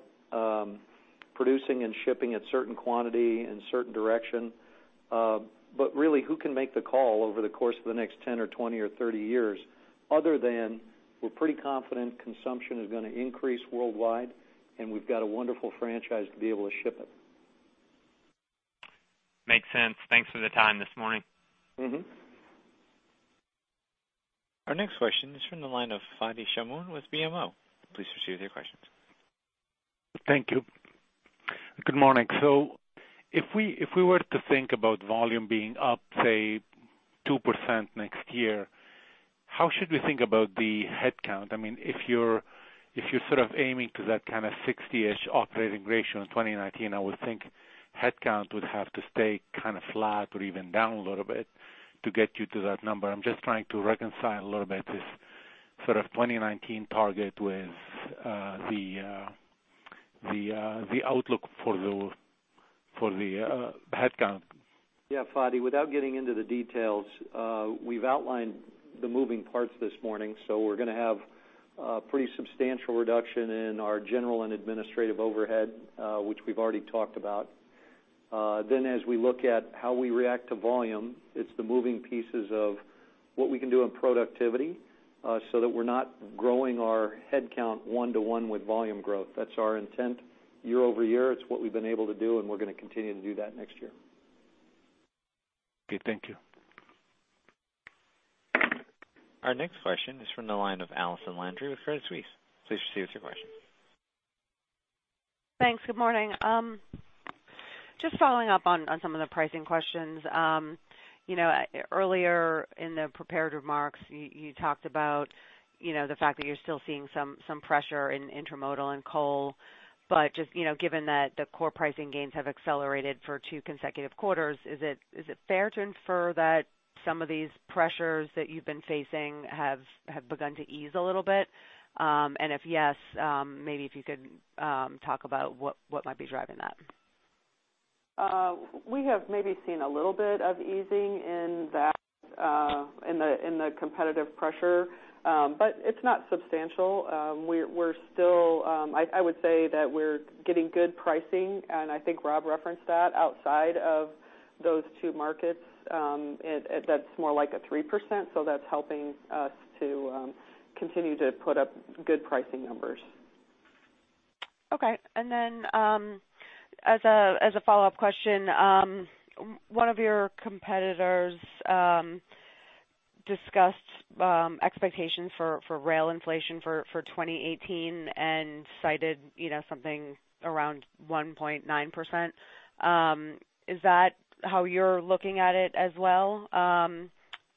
producing and shipping at certain quantity and certain direction. Really, who can make the call over the course of the next 10 or 20 or 30 years, other than we're pretty confident consumption is going to increase worldwide, we've got a wonderful franchise to be able to ship it. Makes sense. Thanks for the time this morning. Our next question is from the line of Fadi Chamoun with BMO. Please proceed with your questions. Thank you. Good morning. If we were to think about volume being up, say, 2% next year, how should we think about the headcount? If you're sort of aiming to that kind of 60-ish operating ratio in 2019, I would think headcount would have to stay kind of flat or even down a little bit to get you to that number. I'm just trying to reconcile a little bit this sort of 2019 target with the outlook for the headcount. Yeah, Fadi, without getting into the details, we've outlined the moving parts this morning. We're going to have a pretty substantial reduction in our general and administrative overhead, which we've already talked about. As we look at how we react to volume, it's the moving pieces of what we can do in productivity so that we're not growing our headcount one to one with volume growth. That's our intent year-over-year. It's what we've been able to do, and we're going to continue to do that next year. Okay, thank you. Our next question is from the line of Allison Landry with Credit Suisse. Please proceed with your question. Thanks. Good morning. Just following up on some of the pricing questions. Earlier in the prepared remarks, you talked about the fact that you're still seeing some pressure in intermodal and coal, but just given that the core pricing gains have accelerated for two consecutive quarters, is it fair to infer that some of these pressures that you've been facing have begun to ease a little bit? If yes, maybe if you could talk about what might be driving that. We have maybe seen a little bit of easing in the competitive pressure, but it's not substantial. I would say that we're getting good pricing, and I think Rob referenced that outside of those two markets, that's more like a 3%, so that's helping us to continue to put up good pricing numbers. Okay. As a follow-up question, one of your competitors discussed expectations for rail inflation for 2018 and cited something around 1.9%. Is that how you're looking at it as well?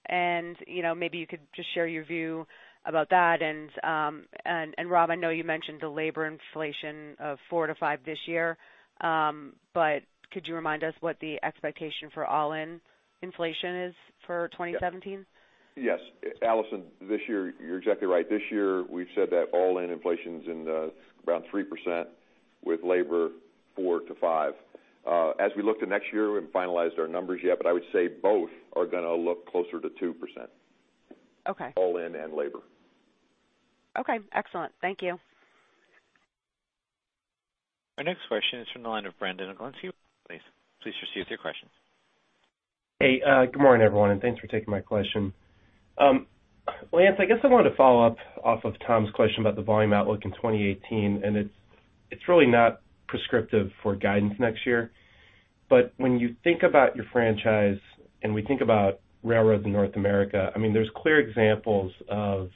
Maybe you could just share your view about that and, Rob, I know you mentioned the labor inflation of four to five this year, but could you remind us what the expectation for all-in inflation is for 2017? Yes, Allison, you're exactly right. This year, we've said that all-in inflation's around 3%, with labor 4%-5%. We look to next year, we haven't finalized our numbers yet, I would say both are going to look closer to 2%. Okay. All in and labor. Okay, excellent. Thank you. Our next question is from the line of Brandon. Please proceed with your question. Hey, good morning, everyone, and thanks for taking my question. Lance, I guess I wanted to follow up off of Tom's question about the volume outlook in 2018. It's really not prescriptive for guidance next year. When you think about your franchise, and we think about railroads in North America, there's clear examples of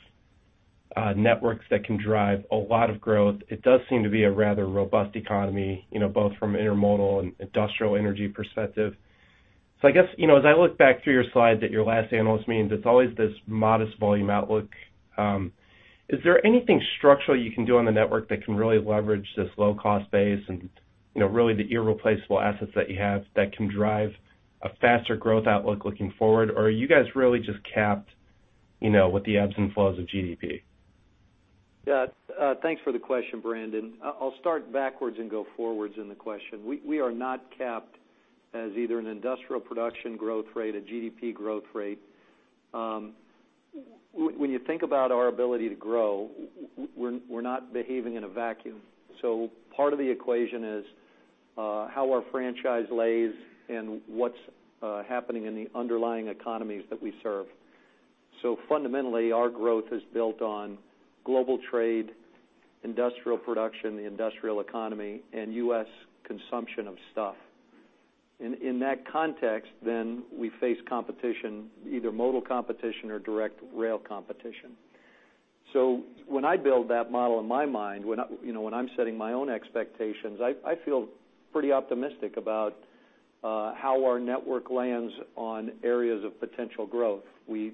networks that can drive a lot of growth. It does seem to be a rather robust economy, both from intermodal and industrial energy perspective. I guess, as I look back through your slide at your last analyst meetings, it's always this modest volume outlook. Is there anything structural you can do on the network that can really leverage this low-cost base and really the irreplaceable assets that you have that can drive a faster growth outlook looking forward? Or are you guys really just capped with the ebbs and flows of GDP? Yeah. Thanks for the question, Brandon. I'll start backwards and go forwards in the question. We are not capped as either an industrial production growth rate, a GDP growth rate. When you think about our ability to grow, we're not behaving in a vacuum. Part of the equation is how our franchise lays and what's happening in the underlying economies that we serve. Fundamentally, our growth is built on global trade, industrial production, the industrial economy, and U.S. consumption of stuff. In that context, we face competition, either modal competition or direct rail competition. When I build that model in my mind, when I'm setting my own expectations, I feel pretty optimistic about how our network lands on areas of potential growth. We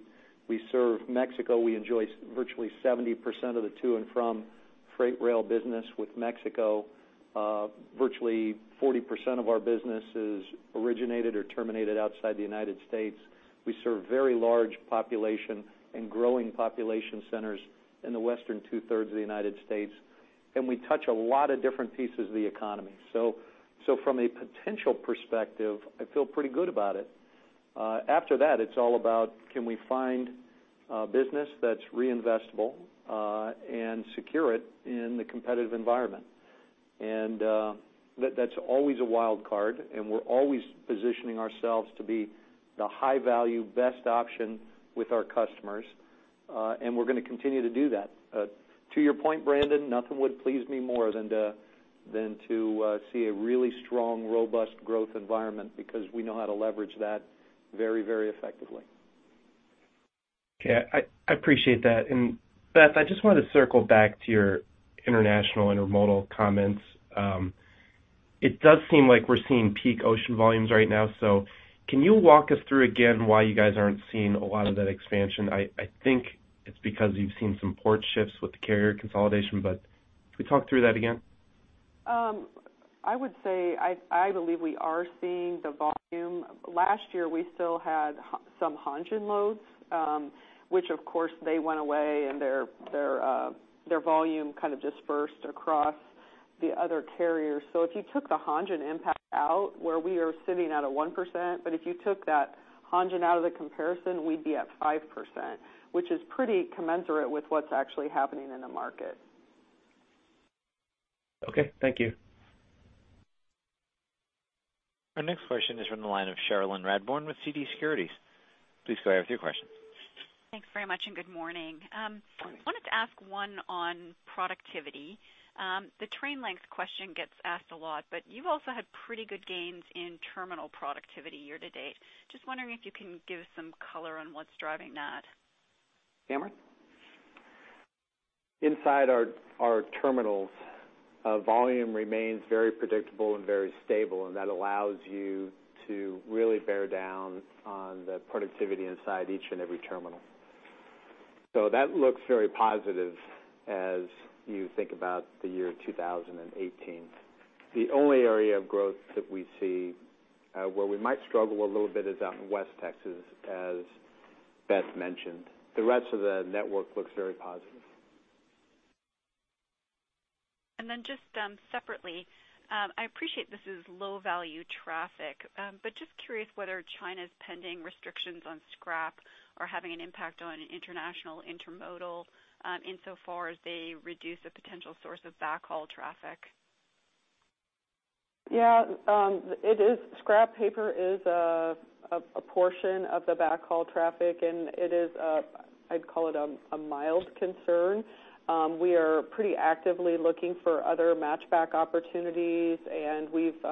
serve Mexico. We enjoy virtually 70% of the to and from freight rail business with Mexico. Virtually 40% of our business is originated or terminated outside the United States. We serve very large population and growing population centers in the western two-thirds of the United States. We touch a lot of different pieces of the economy. From a potential perspective, I feel pretty good about it. After that, it's all about can we find business that's reinvestable and secure it in the competitive environment? That's always a wild card, and we're always positioning ourselves to be the high-value, best option with our customers, and we're going to continue to do that. To your point, Brandon, nothing would please me more than to see a really strong, robust growth environment because we know how to leverage that very effectively. Okay. I appreciate that. Beth, I just wanted to circle back to your international intermodal comments. It does seem like we're seeing peak ocean volumes right now, can you walk us through again why you guys aren't seeing a lot of that expansion? I think it's because you've seen some port shifts with the carrier consolidation, can we talk through that again? I would say, I believe we are seeing the volume. Last year, we still had some Hanjin loads, which of course they went away and their volume kind of dispersed across the other carriers. If you took the Hanjin impact out, where we are sitting at a 1%, if you took that Hanjin out of the comparison, we'd be at 5%, which is pretty commensurate with what's actually happening in the market. Okay, thank you. Our next question is from the line of Cherilyn Radbourne with TD Securities. Please go ahead with your question. Thanks very much. Good morning. Morning. I wanted to ask one on productivity. The train length question gets asked a lot, you've also had pretty good gains in terminal productivity year-to-date. Just wondering if you can give us some color on what's driving that. Cameron? Inside our terminals, volume remains very predictable and very stable, that allows you to really bear down on the productivity inside each and every terminal. That looks very positive as you think about the year 2018. The only area of growth that we see where we might struggle a little bit is out in West Texas, as Beth mentioned. The rest of the network looks very positive. Just separately, I appreciate this is low-value traffic, just curious whether China's pending restrictions on scrap are having an impact on international intermodal, insofar as they reduce a potential source of backhaul traffic. Yeah. Scrap paper is a portion of the backhaul traffic, it is, I'd call it a mild concern. We are pretty actively looking for other match back opportunities, we've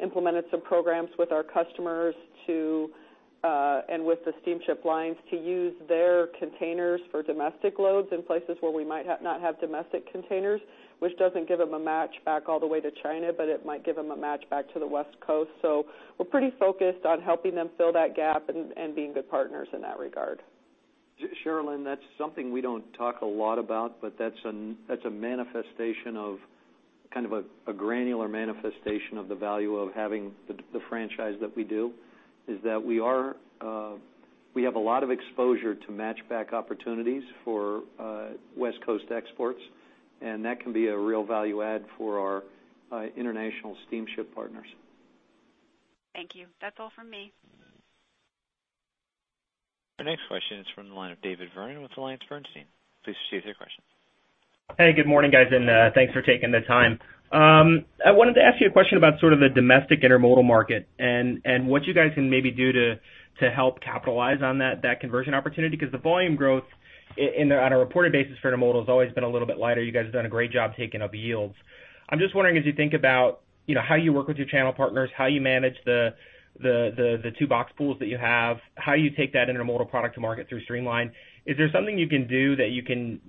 implemented some programs with our customers and with the steamship lines to use their containers for domestic loads in places where we might not have domestic containers, which doesn't give them a match back all the way to China, but it might give them a match back to the West Coast. We're pretty focused on helping them fill that gap and being good partners in that regard. Cherilyn, that's something we don't talk a lot about, that's a kind of a granular manifestation of the value of having the franchise that we do, is that we have a lot of exposure to match back opportunities for West Coast exports. That can be a real value add for our international steamship partners. Thank you. That's all from me. Our next question is from the line of David Vernon with AllianceBernstein. Please proceed with your question. Hey, good morning, guys, and thanks for taking the time. I wanted to ask you a question about sort of the domestic intermodal market and what you guys can maybe do to help capitalize on that conversion opportunity, because the volume growth on a reported basis for intermodal has always been a little bit lighter. You guys have done a great job taking up yields. I'm just wondering, as you think about how you work with your channel partners, how you manage the two box pools that you have, how you take that intermodal product to market through Streamline, is there something you can do that you can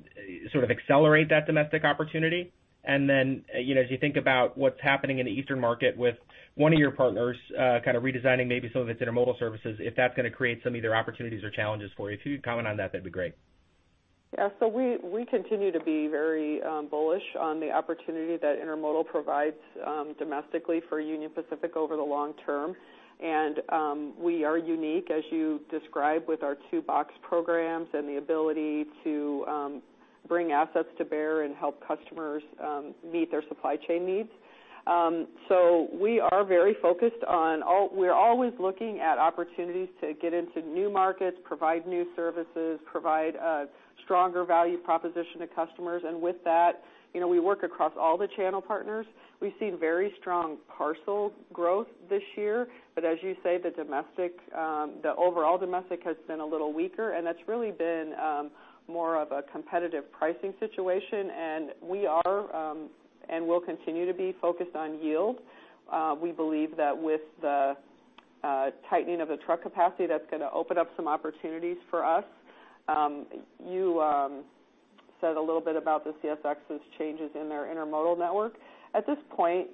sort of accelerate that domestic opportunity? As you think about what's happening in the eastern market with one of your partners kind of redesigning maybe some of its intermodal services, if that's going to create some either opportunities or challenges for you. If you could comment on that'd be great. Yeah. We continue to be very bullish on the opportunity that intermodal provides domestically for Union Pacific over the long term, and we are unique, as you described, with our two box programs and the ability to bring assets to bear and help customers meet their supply chain needs. We are always looking at opportunities to get into new markets, provide new services, provide a stronger value proposition to customers. With that, we work across all the channel partners. We've seen very strong parcel growth this year, but as you say, the overall domestic has been a little weaker, and that's really been more of a competitive pricing situation, and we are, and will continue to be, focused on yield. We believe that with the tightening of the truck capacity, that's going to open up some opportunities for us. You said a little bit about the CSX's changes in their intermodal network. At this point,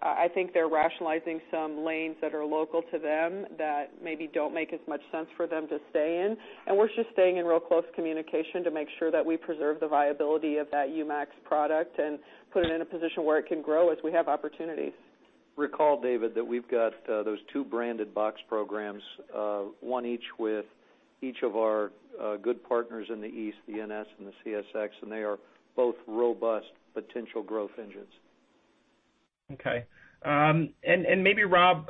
I think they're rationalizing some lanes that are local to them that maybe don't make as much sense for them to stay in. We're just staying in real close communication to make sure that we preserve the viability of that U-MAX product and put it in a position where it can grow as we have opportunities. Recall, David, that we've got those two branded box programs, one each with each of our good partners in the East, the NS and the CSX. They are both robust potential growth engines. Okay. Maybe Rob,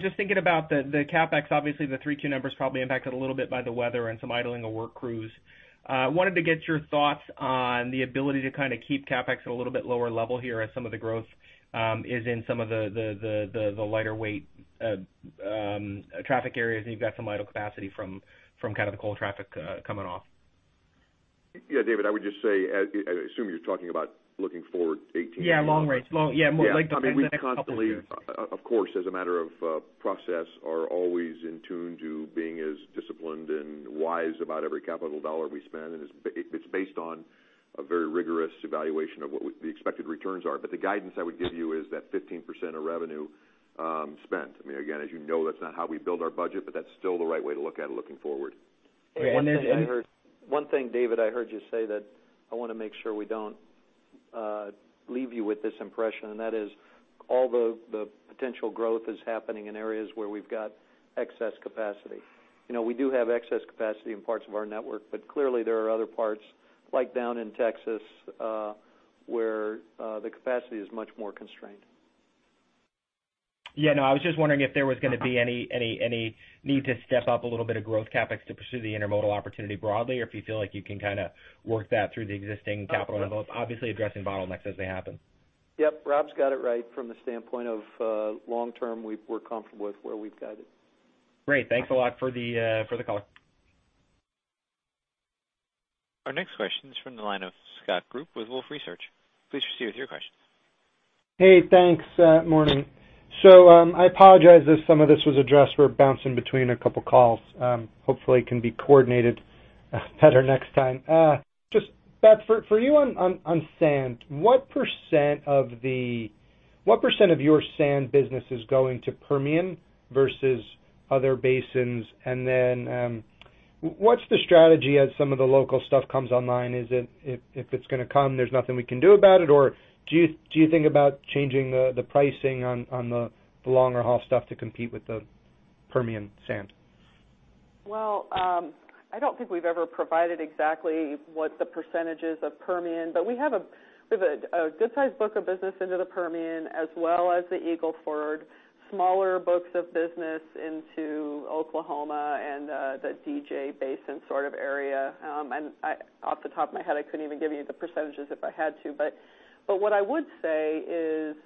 just thinking about the CapEx, obviously the Q3 numbers probably impacted a little bit by the weather and some idling of work crews. Wanted to get your thoughts on the ability to kind of keep CapEx at a little bit lower level here as some of the growth is in some of the lighter weight traffic areas, and you've got some idle capacity from kind of the coal traffic coming off. Yeah, David, I would just say, I assume you're talking about looking forward 2018. Yeah, long range. We've constantly, of course, as a matter of process, are always in tune to being as disciplined and wise about every capital dollar we spend, and it's based on a very rigorous evaluation of what the expected returns are. The guidance I would give you is that 15% of revenue spent. Again, as you know, that's not how we build our budget, that's still the right way to look at it looking forward. And then- One thing, David, I heard you say that I want to make sure we don't leave you with this impression, that is all the potential growth is happening in areas where we've got excess capacity. We do have excess capacity in parts of our network, clearly, there are other parts, like down in Texas, where the capacity is much more constrained. I was just wondering if there was gonna be any need to step up a little bit of growth CapEx to pursue the intermodal opportunity broadly, or if you feel like you can kind of work that through the existing capital involved, obviously addressing bottlenecks as they happen. Yep, Rob's got it right from the standpoint of long term, we're comfortable with where we've got it. Great. Thanks a lot for the call. Our next question is from the line of Scott Group with Wolfe Research. Please proceed with your question. Hey, thanks. Morning. I apologize if some of this was addressed, we're bouncing between a couple of calls. Hopefully, it can be coordinated better next time. Just Beth, for you on sand, what % of your sand business is going to Permian versus other basins? And then, what's the strategy as some of the local stuff comes online? Is it, if it's gonna come, there's nothing we can do about it? Or do you think about changing the pricing on the longer haul stuff to compete with the Permian sand? Well, I don't think we've ever provided exactly what the percentage is of Permian, but we have a good-sized book of business into the Permian as well as the Eagle Ford, smaller books of business into Oklahoma and the DJ basin sort of area. I couldn't even give you the percentages if I had to, but what I would say is,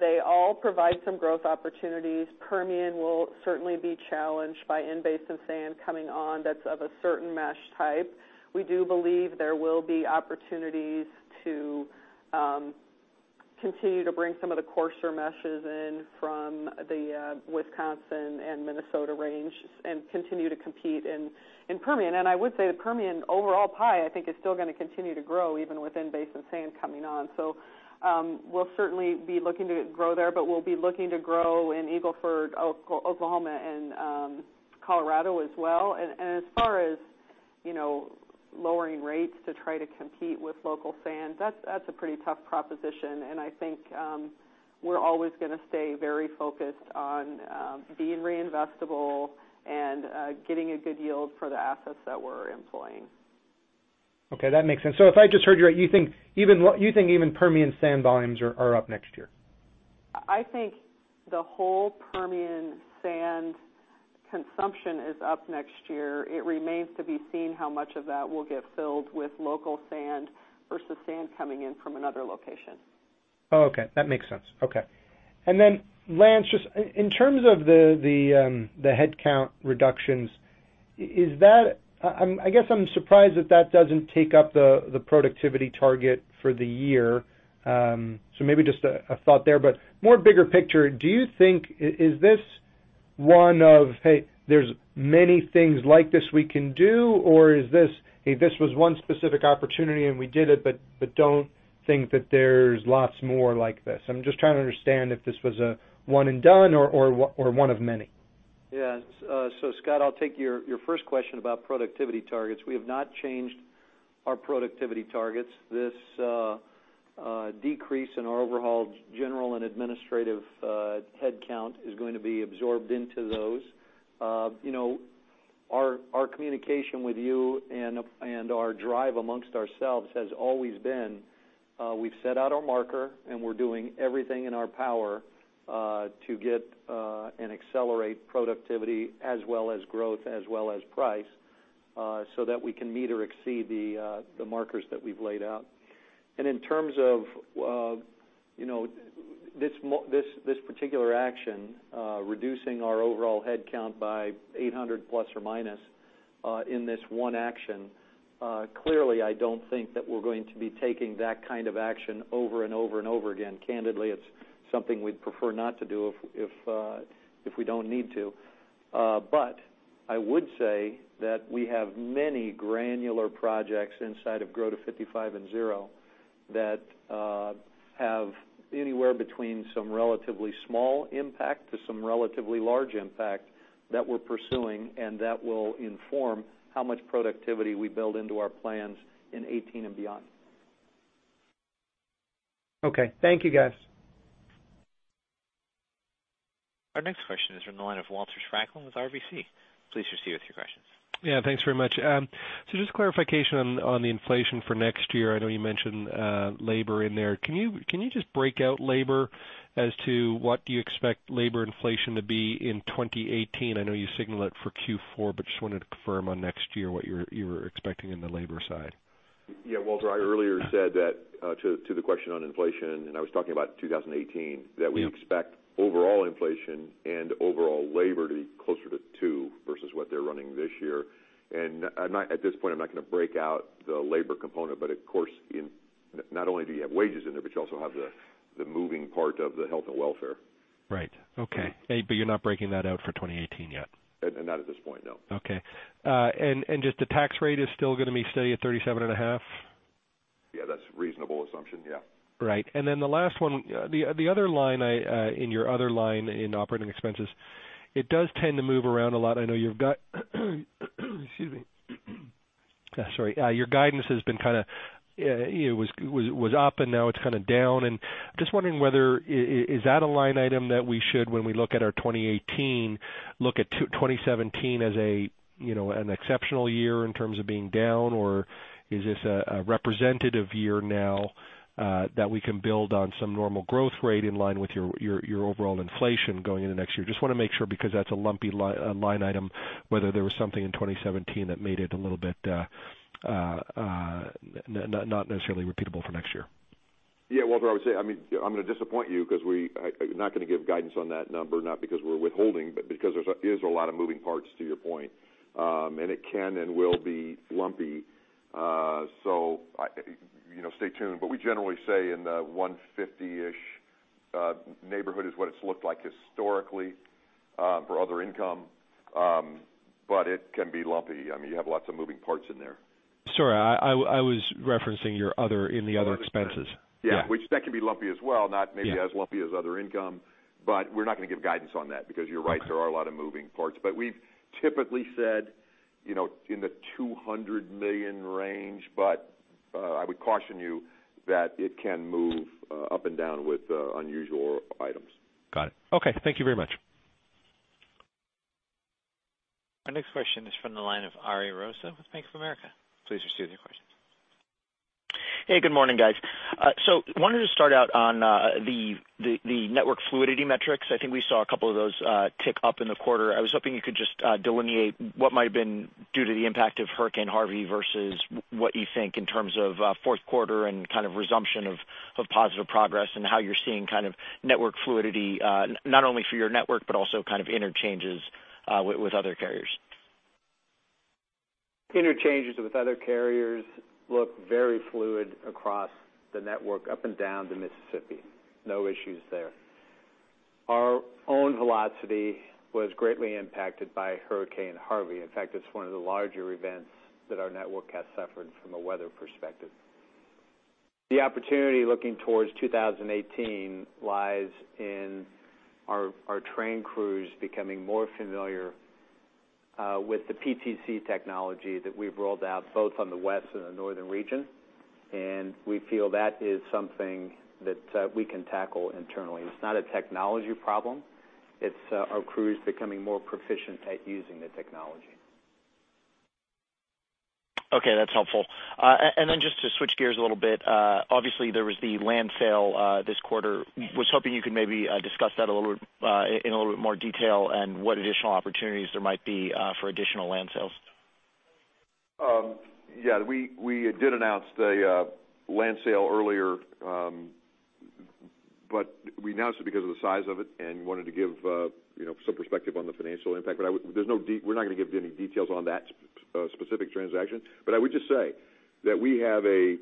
they all provide some growth opportunities. Permian will certainly be challenged by in-basin sand coming on that's of a certain mesh type. We do believe there will be opportunities to continue to bring some of the coarser meshes in from the Wisconsin and Minnesota range and continue to compete in Permian. I would say the Permian overall pie, I think, is still going to continue to grow even with in-basin sand coming on. We'll certainly be looking to grow there, but we'll be looking to grow in Eagle Ford, Oklahoma, and Colorado as well. As far as lowering rates to try to compete with local sand, that's a pretty tough proposition, and I think we're always going to stay very focused on being reinvestable and getting a good yield for the assets that we're employing. Okay, that makes sense. If I just heard you right, you think even Permian sand volumes are up next year? I think the whole Permian sand consumption is up next year. It remains to be seen how much of that will get filled with local sand versus sand coming in from another location. Okay. That makes sense. Okay. Lance, just in terms of the headcount reductions, I guess I'm surprised that that doesn't take up the productivity target for the year. Maybe just a thought there, but more bigger picture, do you think, is this one of, hey, there's many things like this we can do, or is this, hey, this was one specific opportunity and we did it, but don't think that there's lots more like this? I'm just trying to understand if this was a one and done or one of many. Scott, I'll take your first question about productivity targets. We have not changed our productivity targets. This decrease in our overall general and administrative headcount is going to be absorbed into those. Our communication with you and our drive amongst ourselves has always been, we've set out our marker and we're doing everything in our power to get and accelerate productivity as well as growth, as well as price, so that we can meet or exceed the markers that we've laid out. In terms of this particular action, reducing our overall headcount by 800 plus or minus in this one action, clearly, I don't think that we're going to be taking that kind of action over and over and over again. Candidly, it's something we'd prefer not to do if we don't need to. I would say that we have many granular projects inside of G55 and Zero that have anywhere between some relatively small impact to some relatively large impact that we're pursuing, and that will inform how much productivity we build into our plans in 2018 and beyond. Okay. Thank you, guys. Our next question is from the line of Walter Spracklin with RBC. Please proceed with your questions. Yeah, thanks very much. Just clarification on the inflation for next year. I know you mentioned labor in there. Can you just break out labor as to what do you expect labor inflation to be in 2018? I know you signaled it for Q4, but just wanted to confirm on next year what you were expecting on the labor side. Walter, I earlier said that to the question on inflation, I was talking about 2018. Yeah. That we expect overall inflation and overall labor to be closer to two versus what they're running this year. At this point, I'm not going to break out the labor component, of course, not only do you have wages in there, you also have the moving part of the health and welfare. Right. Okay. You're not breaking that out for 2018 yet? Not at this point, no. Okay. Just the tax rate is still going to be steady at 37.5%? Yeah, that's a reasonable assumption. Yeah. Right. The last one, the other line in your other line in operating expenses, it does tend to move around a lot. I know you've got excuse me. Sorry. Your guidance has been kind of it was up and now it's kind of down, just wondering whether is that a line item that we should, when we look at our 2018, look at 2017 as an exceptional year in terms of being down, or is this a representative year now that we can build on some normal growth rate in line with your overall inflation going into next year? Just want to make sure because that's a lumpy line item, whether there was something in 2017 that made it a little bit not necessarily repeatable for next year. Yeah. Walter, I would say, I'm going to disappoint you because we are not going to give guidance on that number, not because we're withholding, because there is a lot of moving parts to your point. It can and will be lumpy, stay tuned. We generally say in the 150-ish neighborhood is what it's looked like historically for other income, but it can be lumpy. You have lots of moving parts in there. Sorry, I was referencing in the other expenses. I understand. Yeah. That can be lumpy as well, not maybe as lumpy as other income, we're not going to give guidance on that because you're right, there are a lot of moving parts. We've typically said in the $200 million range, I would caution you that it can move up and down with unusual items. Got it. Okay. Thank you very much. Our next question is from the line of Ken Hoexter with Bank of America. Please proceed with your question. Hey, good morning, guys. Wanted to start out on the network fluidity metrics. I think we saw a couple of those tick up in the quarter. I was hoping you could just delineate what might have been due to the impact of Hurricane Harvey versus what you think in terms of fourth quarter and kind of resumption of positive progress and how you're seeing network fluidity, not only for your network, but also kind of interchanges with other carriers. Interchanges with other carriers look very fluid across the network up and down the Mississippi. No issues there. Our own velocity was greatly impacted by Hurricane Harvey. In fact, it's one of the larger events that our network has suffered from a weather perspective. The opportunity looking towards 2018 lies in our train crews becoming more familiar with the PTC technology that we've rolled out both on the west and the northern region. We feel that is something that we can tackle internally. It's not a technology problem. It's our crews becoming more proficient at using the technology. That's helpful. I was hoping you could maybe discuss that in a little bit more detail and what additional opportunities there might be for additional land sales. We did announce the land sale earlier. We announced it because of the size of it and wanted to give some perspective on the financial impact. We're not going to give any details on that specific transaction. I would just say that we have a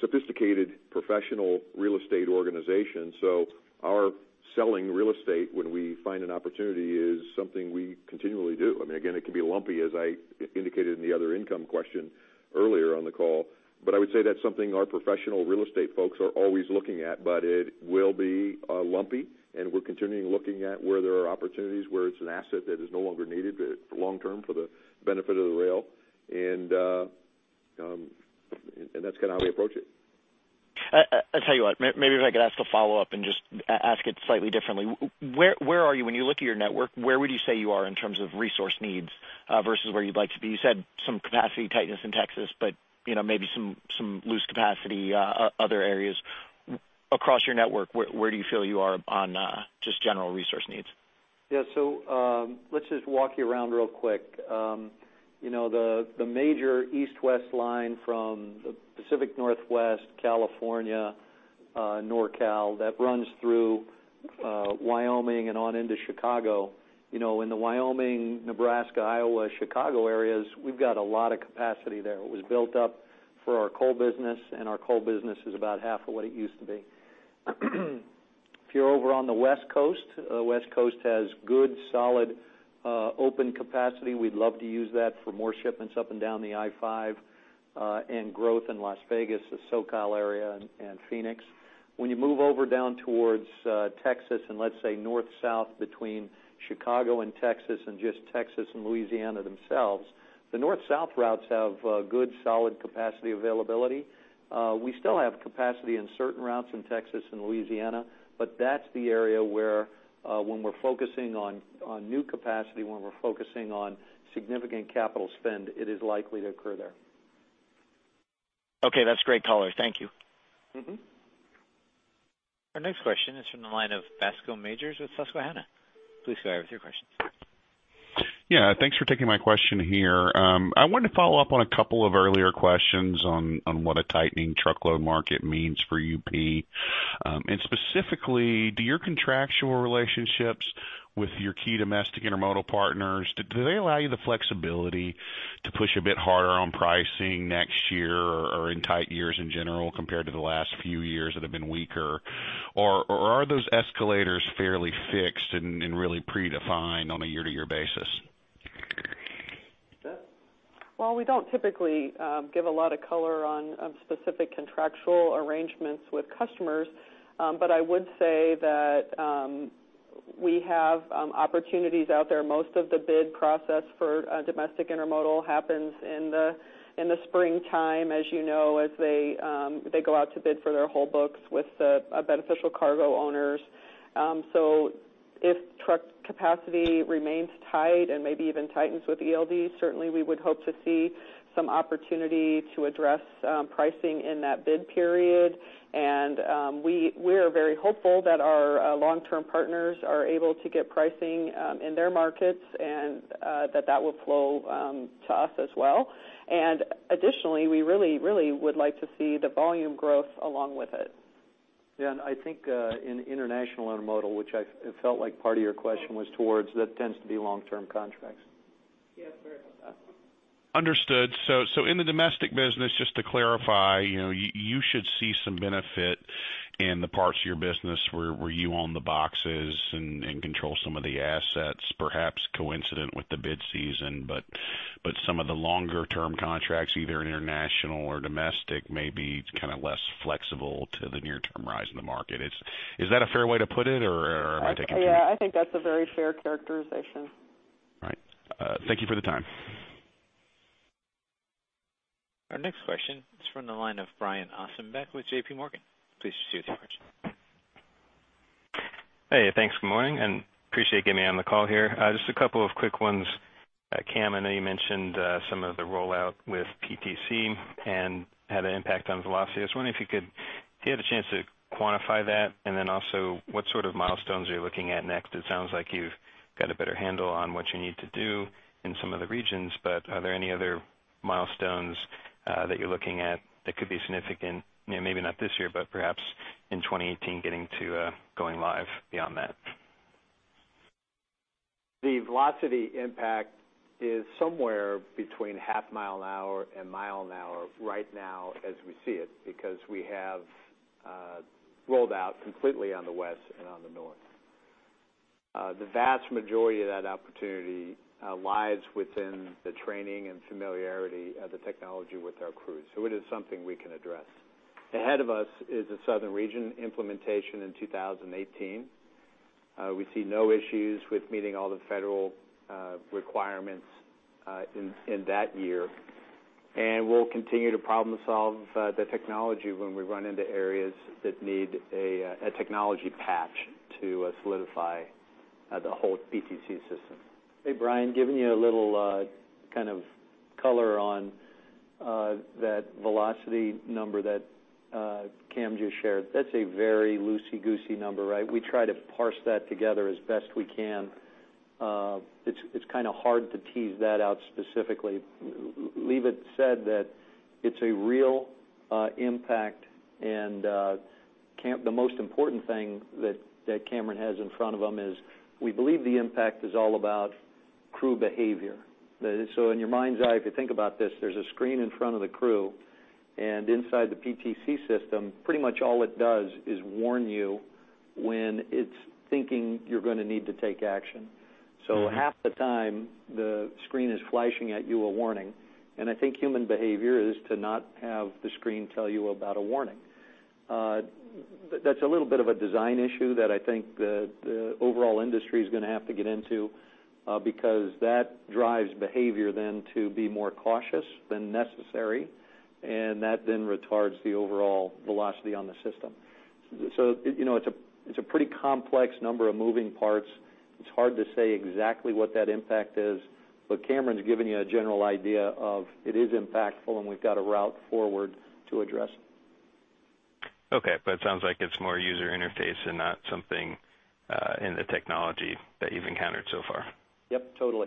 sophisticated professional real estate organization, so our selling real estate, when we find an opportunity, is something we continually do. Again, it can be lumpy, as I indicated in the other income question earlier on the call. I would say that's something our professional real estate folks are always looking at. It will be lumpy, and we're continuing looking at where there are opportunities, where it's an asset that is no longer needed long-term for the benefit of the rail. That's kind of how we approach it. I tell you what, maybe if I could ask a follow-up and just ask it slightly differently. When you look at your network, where would you say you are in terms of resource needs versus where you'd like to be? You said some capacity tightness in Texas, but maybe some loose capacity, other areas across your network, where do you feel you are on just general resource needs? Let's just walk you around real quick. The major east-west line from the Pacific Northwest, California, NorCal, that runs through Wyoming and on into Chicago. In the Wyoming, Nebraska, Iowa, Chicago areas, we've got a lot of capacity there. It was built up for our coal business, and our coal business is about half of what it used to be. If you're over on the West Coast, West Coast has good, solid, open capacity. We'd love to use that for more shipments up and down the I-5, and growth in Las Vegas, the SoCal area, and Phoenix. When you move over down towards Texas, let's say north-south between Chicago and Texas and just Texas and Louisiana themselves, the north-south routes have good, solid capacity availability. We still have capacity in certain routes in Texas and Louisiana, but that's the area where, when we're focusing on new capacity, when we're focusing on significant capital spend, it is likely to occur there. Okay, that's great color. Thank you. Our next question is from the line of Bascome Majors with Susquehanna. Please go ahead with your question. Yeah, thanks for taking my question here. I wanted to follow up on a couple of earlier questions on what a tightening truckload market means for UP. Specifically, do your contractual relationships with your key domestic intermodal partners, do they allow you the flexibility to push a bit harder on pricing next year or in tight years in general, compared to the last few years that have been weaker? Are those escalators fairly fixed and really predefined on a year-to-year basis? Beth? We don't typically give a lot of color on specific contractual arrangements with customers. I would say that we have opportunities out there. Most of the bid process for domestic intermodal happens in the springtime, as you know, as they go out to bid for their whole books with beneficial cargo owners. If truck capacity remains tight and maybe even tightens with ELD, certainly we would hope to see some opportunity to address pricing in that bid period. We are very hopeful that our long-term partners are able to get pricing in their markets and that will flow to us as well. Additionally, we really would like to see the volume growth along with it. Yeah, I think in international intermodal, which I felt like part of your question was towards, that tends to be long-term contracts. Yes, very much, Bascome. Understood. In the domestic business, just to clarify, you should see some benefit in the parts of your business where you own the boxes and control some of the assets, perhaps coincident with the bid season, some of the longer-term contracts, either international or domestic, may be kind of less flexible to the near-term rise in the market. Is that a fair way to put it, or am I taking? Yeah, I think that's a very fair characterization. All right. Thank you for the time. Our next question is from the line of Brian Ossenbeck with J.P. Morgan. Please proceed with your question. Hey, thanks. Good morning. Appreciate you getting me on the call here. Just a couple of quick ones. Cam, I know you mentioned some of the rollout with PTC and had an impact on velocity. I was wondering if you have a chance to quantify that, and then also, what sort of milestones are you looking at next? It sounds like you've got a better handle on what you need to do in some of the regions. Are there any other milestones that you're looking at that could be significant, maybe not this year, but perhaps in 2018, getting to going live beyond that? The velocity impact is somewhere between half mile an hour and one mile an hour right now as we see it, because we have rolled out completely on the west and on the north. The vast majority of that opportunity lies within the training and familiarity of the technology with our crews, so it is something we can address. Ahead of us is a southern region implementation in 2018. We see no issues with meeting all the federal requirements in that year. We'll continue to problem solve the technology when we run into areas that need a technology patch to solidify the whole PTC system. Hey, Brian, giving you a little kind of color on that velocity number that Cam just shared. That's a very loosey-goosey number, right? We try to parse that together as best we can. It's kind of hard to tease that out specifically. Levitt said that it's a real impact. The most important thing that Cameron has in front of him is we believe the impact is all about crew behavior. In your mind's eye, if you think about this, there's a screen in front of the crew, and inside the PTC system, pretty much all it does is warn you when it's thinking you're going to need to take action. Half the time, the screen is flashing at you a warning. I think human behavior is to not have the screen tell you about a warning. That's a little bit of a design issue that I think the overall industry is going to have to get into because that drives behavior then to be more cautious than necessary, and that then retards the overall velocity on the system. It's a pretty complex number of moving parts. It's hard to say exactly what that impact is. Cameron's given you a general idea of it is impactful, and we've got a route forward to address it. Okay, it sounds like it's more user interface and not something in the technology that you've encountered so far. Yep, totally.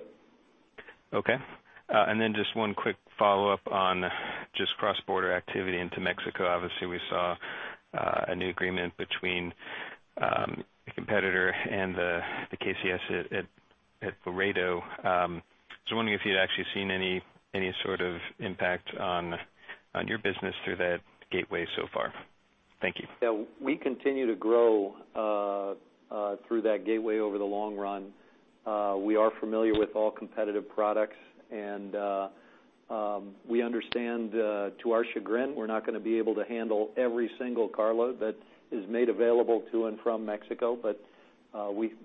Okay. Just one quick follow-up on just cross-border activity into Mexico. Obviously, we saw a new agreement between a competitor and the KCS at Laredo. Just wondering if you'd actually seen any sort of impact on your business through that gateway so far. Thank you. Yeah, we continue to grow through that gateway over the long run. We are familiar with all competitive products, and we understand, to our chagrin, we're not going to be able to handle every single carload that is made available to and from Mexico.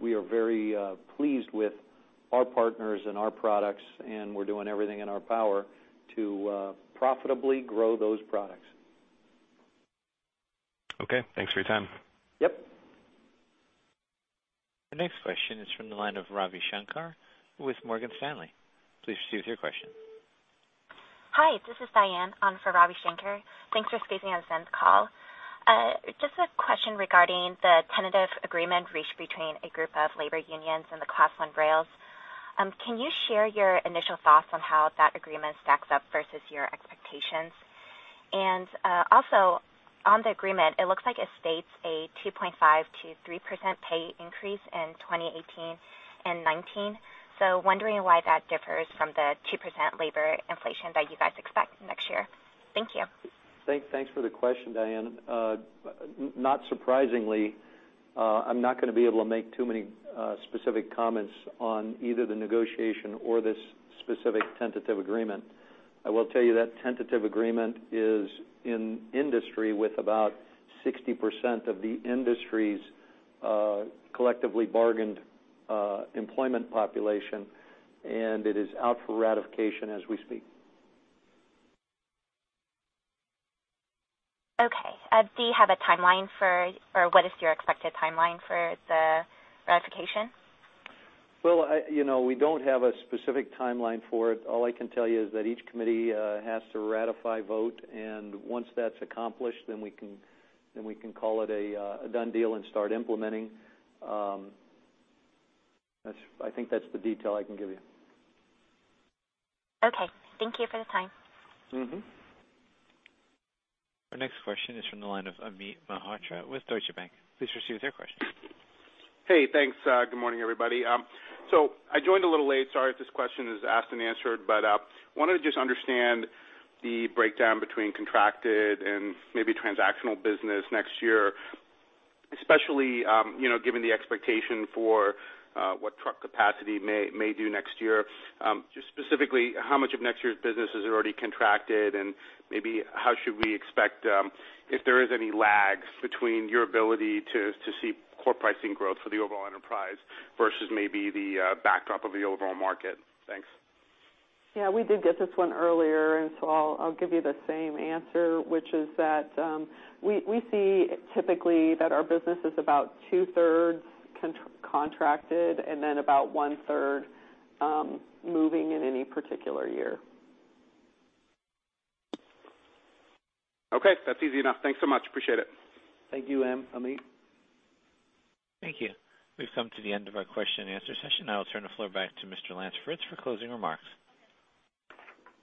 We are very pleased with our partners and our products, and we're doing everything in our power to profitably grow those products. Okay, thanks for your time. Yep. The next question is from the line of Ravi Shanker with Morgan Stanley. Please proceed with your question. Hi, this is Diane on for Ravi Shanker. Thanks for squeezing us in this call. Just a question regarding the tentative agreement reached between a group of labor unions and the Class I rails. Can you share your initial thoughts on how that agreement stacks up versus your expectations? Also on the agreement, it looks like it states a 2.5%-3% pay increase in 2018 and 2019. Wondering why that differs from the 2% labor inflation that you guys expect next year. Thank you. Thanks for the question, Diane. Not surprisingly, I'm not going to be able to make too many specific comments on either the negotiation or this specific tentative agreement. I will tell you that tentative agreement is in industry with about 60% of the industry's collectively bargained employment population, and it is out for ratification as we speak. Okay. Do you have a timeline for, or what is your expected timeline for the ratification? Well, we don't have a specific timeline for it. All I can tell you is that each committee has to ratify vote, and once that's accomplished, then we can call it a done deal and start implementing. I think that's the detail I can give you. Okay. Thank you for the time. Our next question is from the line of Amit Mehrotra with Deutsche Bank. Please proceed with your question. Hey, thanks. Good morning, everybody. I joined a little late. Sorry if this question is asked and answered, but wanted to just understand the breakdown between contracted and maybe transactional business next year, especially given the expectation for what truck capacity may do next year. Just specifically, how much of next year's business is already contracted, and maybe how should we expect, if there is any lags between your ability to see core pricing growth for the overall enterprise versus maybe the backdrop of the overall market? Thanks. Yeah, we did get this one earlier, and so I'll give you the same answer, which is that we see typically that our business is about two-thirds contracted and then about one-third moving in any particular year. Okay. That's easy enough. Thanks so much. Appreciate it. Thank you, Amit. Thank you. We've come to the end of our question and answer session. Now I'll turn the floor back to Mr. Lance Fritz for closing remarks.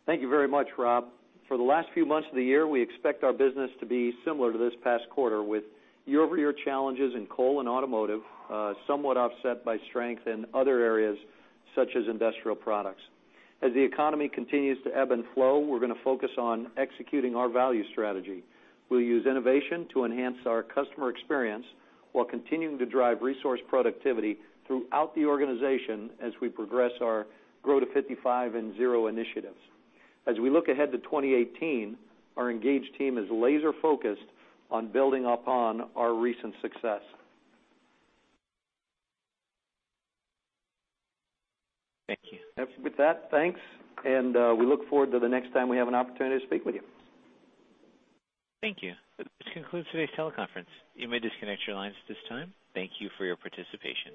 Thank you very much, Rob. For the last few months of the year, we expect our business to be similar to this past quarter, with year-over-year challenges in coal and automotive somewhat offset by strength in other areas such as industrial products. As the economy continues to ebb and flow, we're going to focus on executing our value strategy. We'll use innovation to enhance our customer experience while continuing to drive resource productivity throughout the organization as we progress our Grow to 55 and Zero initiatives. As we look ahead to 2018, our engaged team is laser focused on building upon our recent success. Thank you. With that, thanks, we look forward to the next time we have an opportunity to speak with you. Thank you. This concludes today's teleconference. You may disconnect your lines at this time. Thank you for your participation.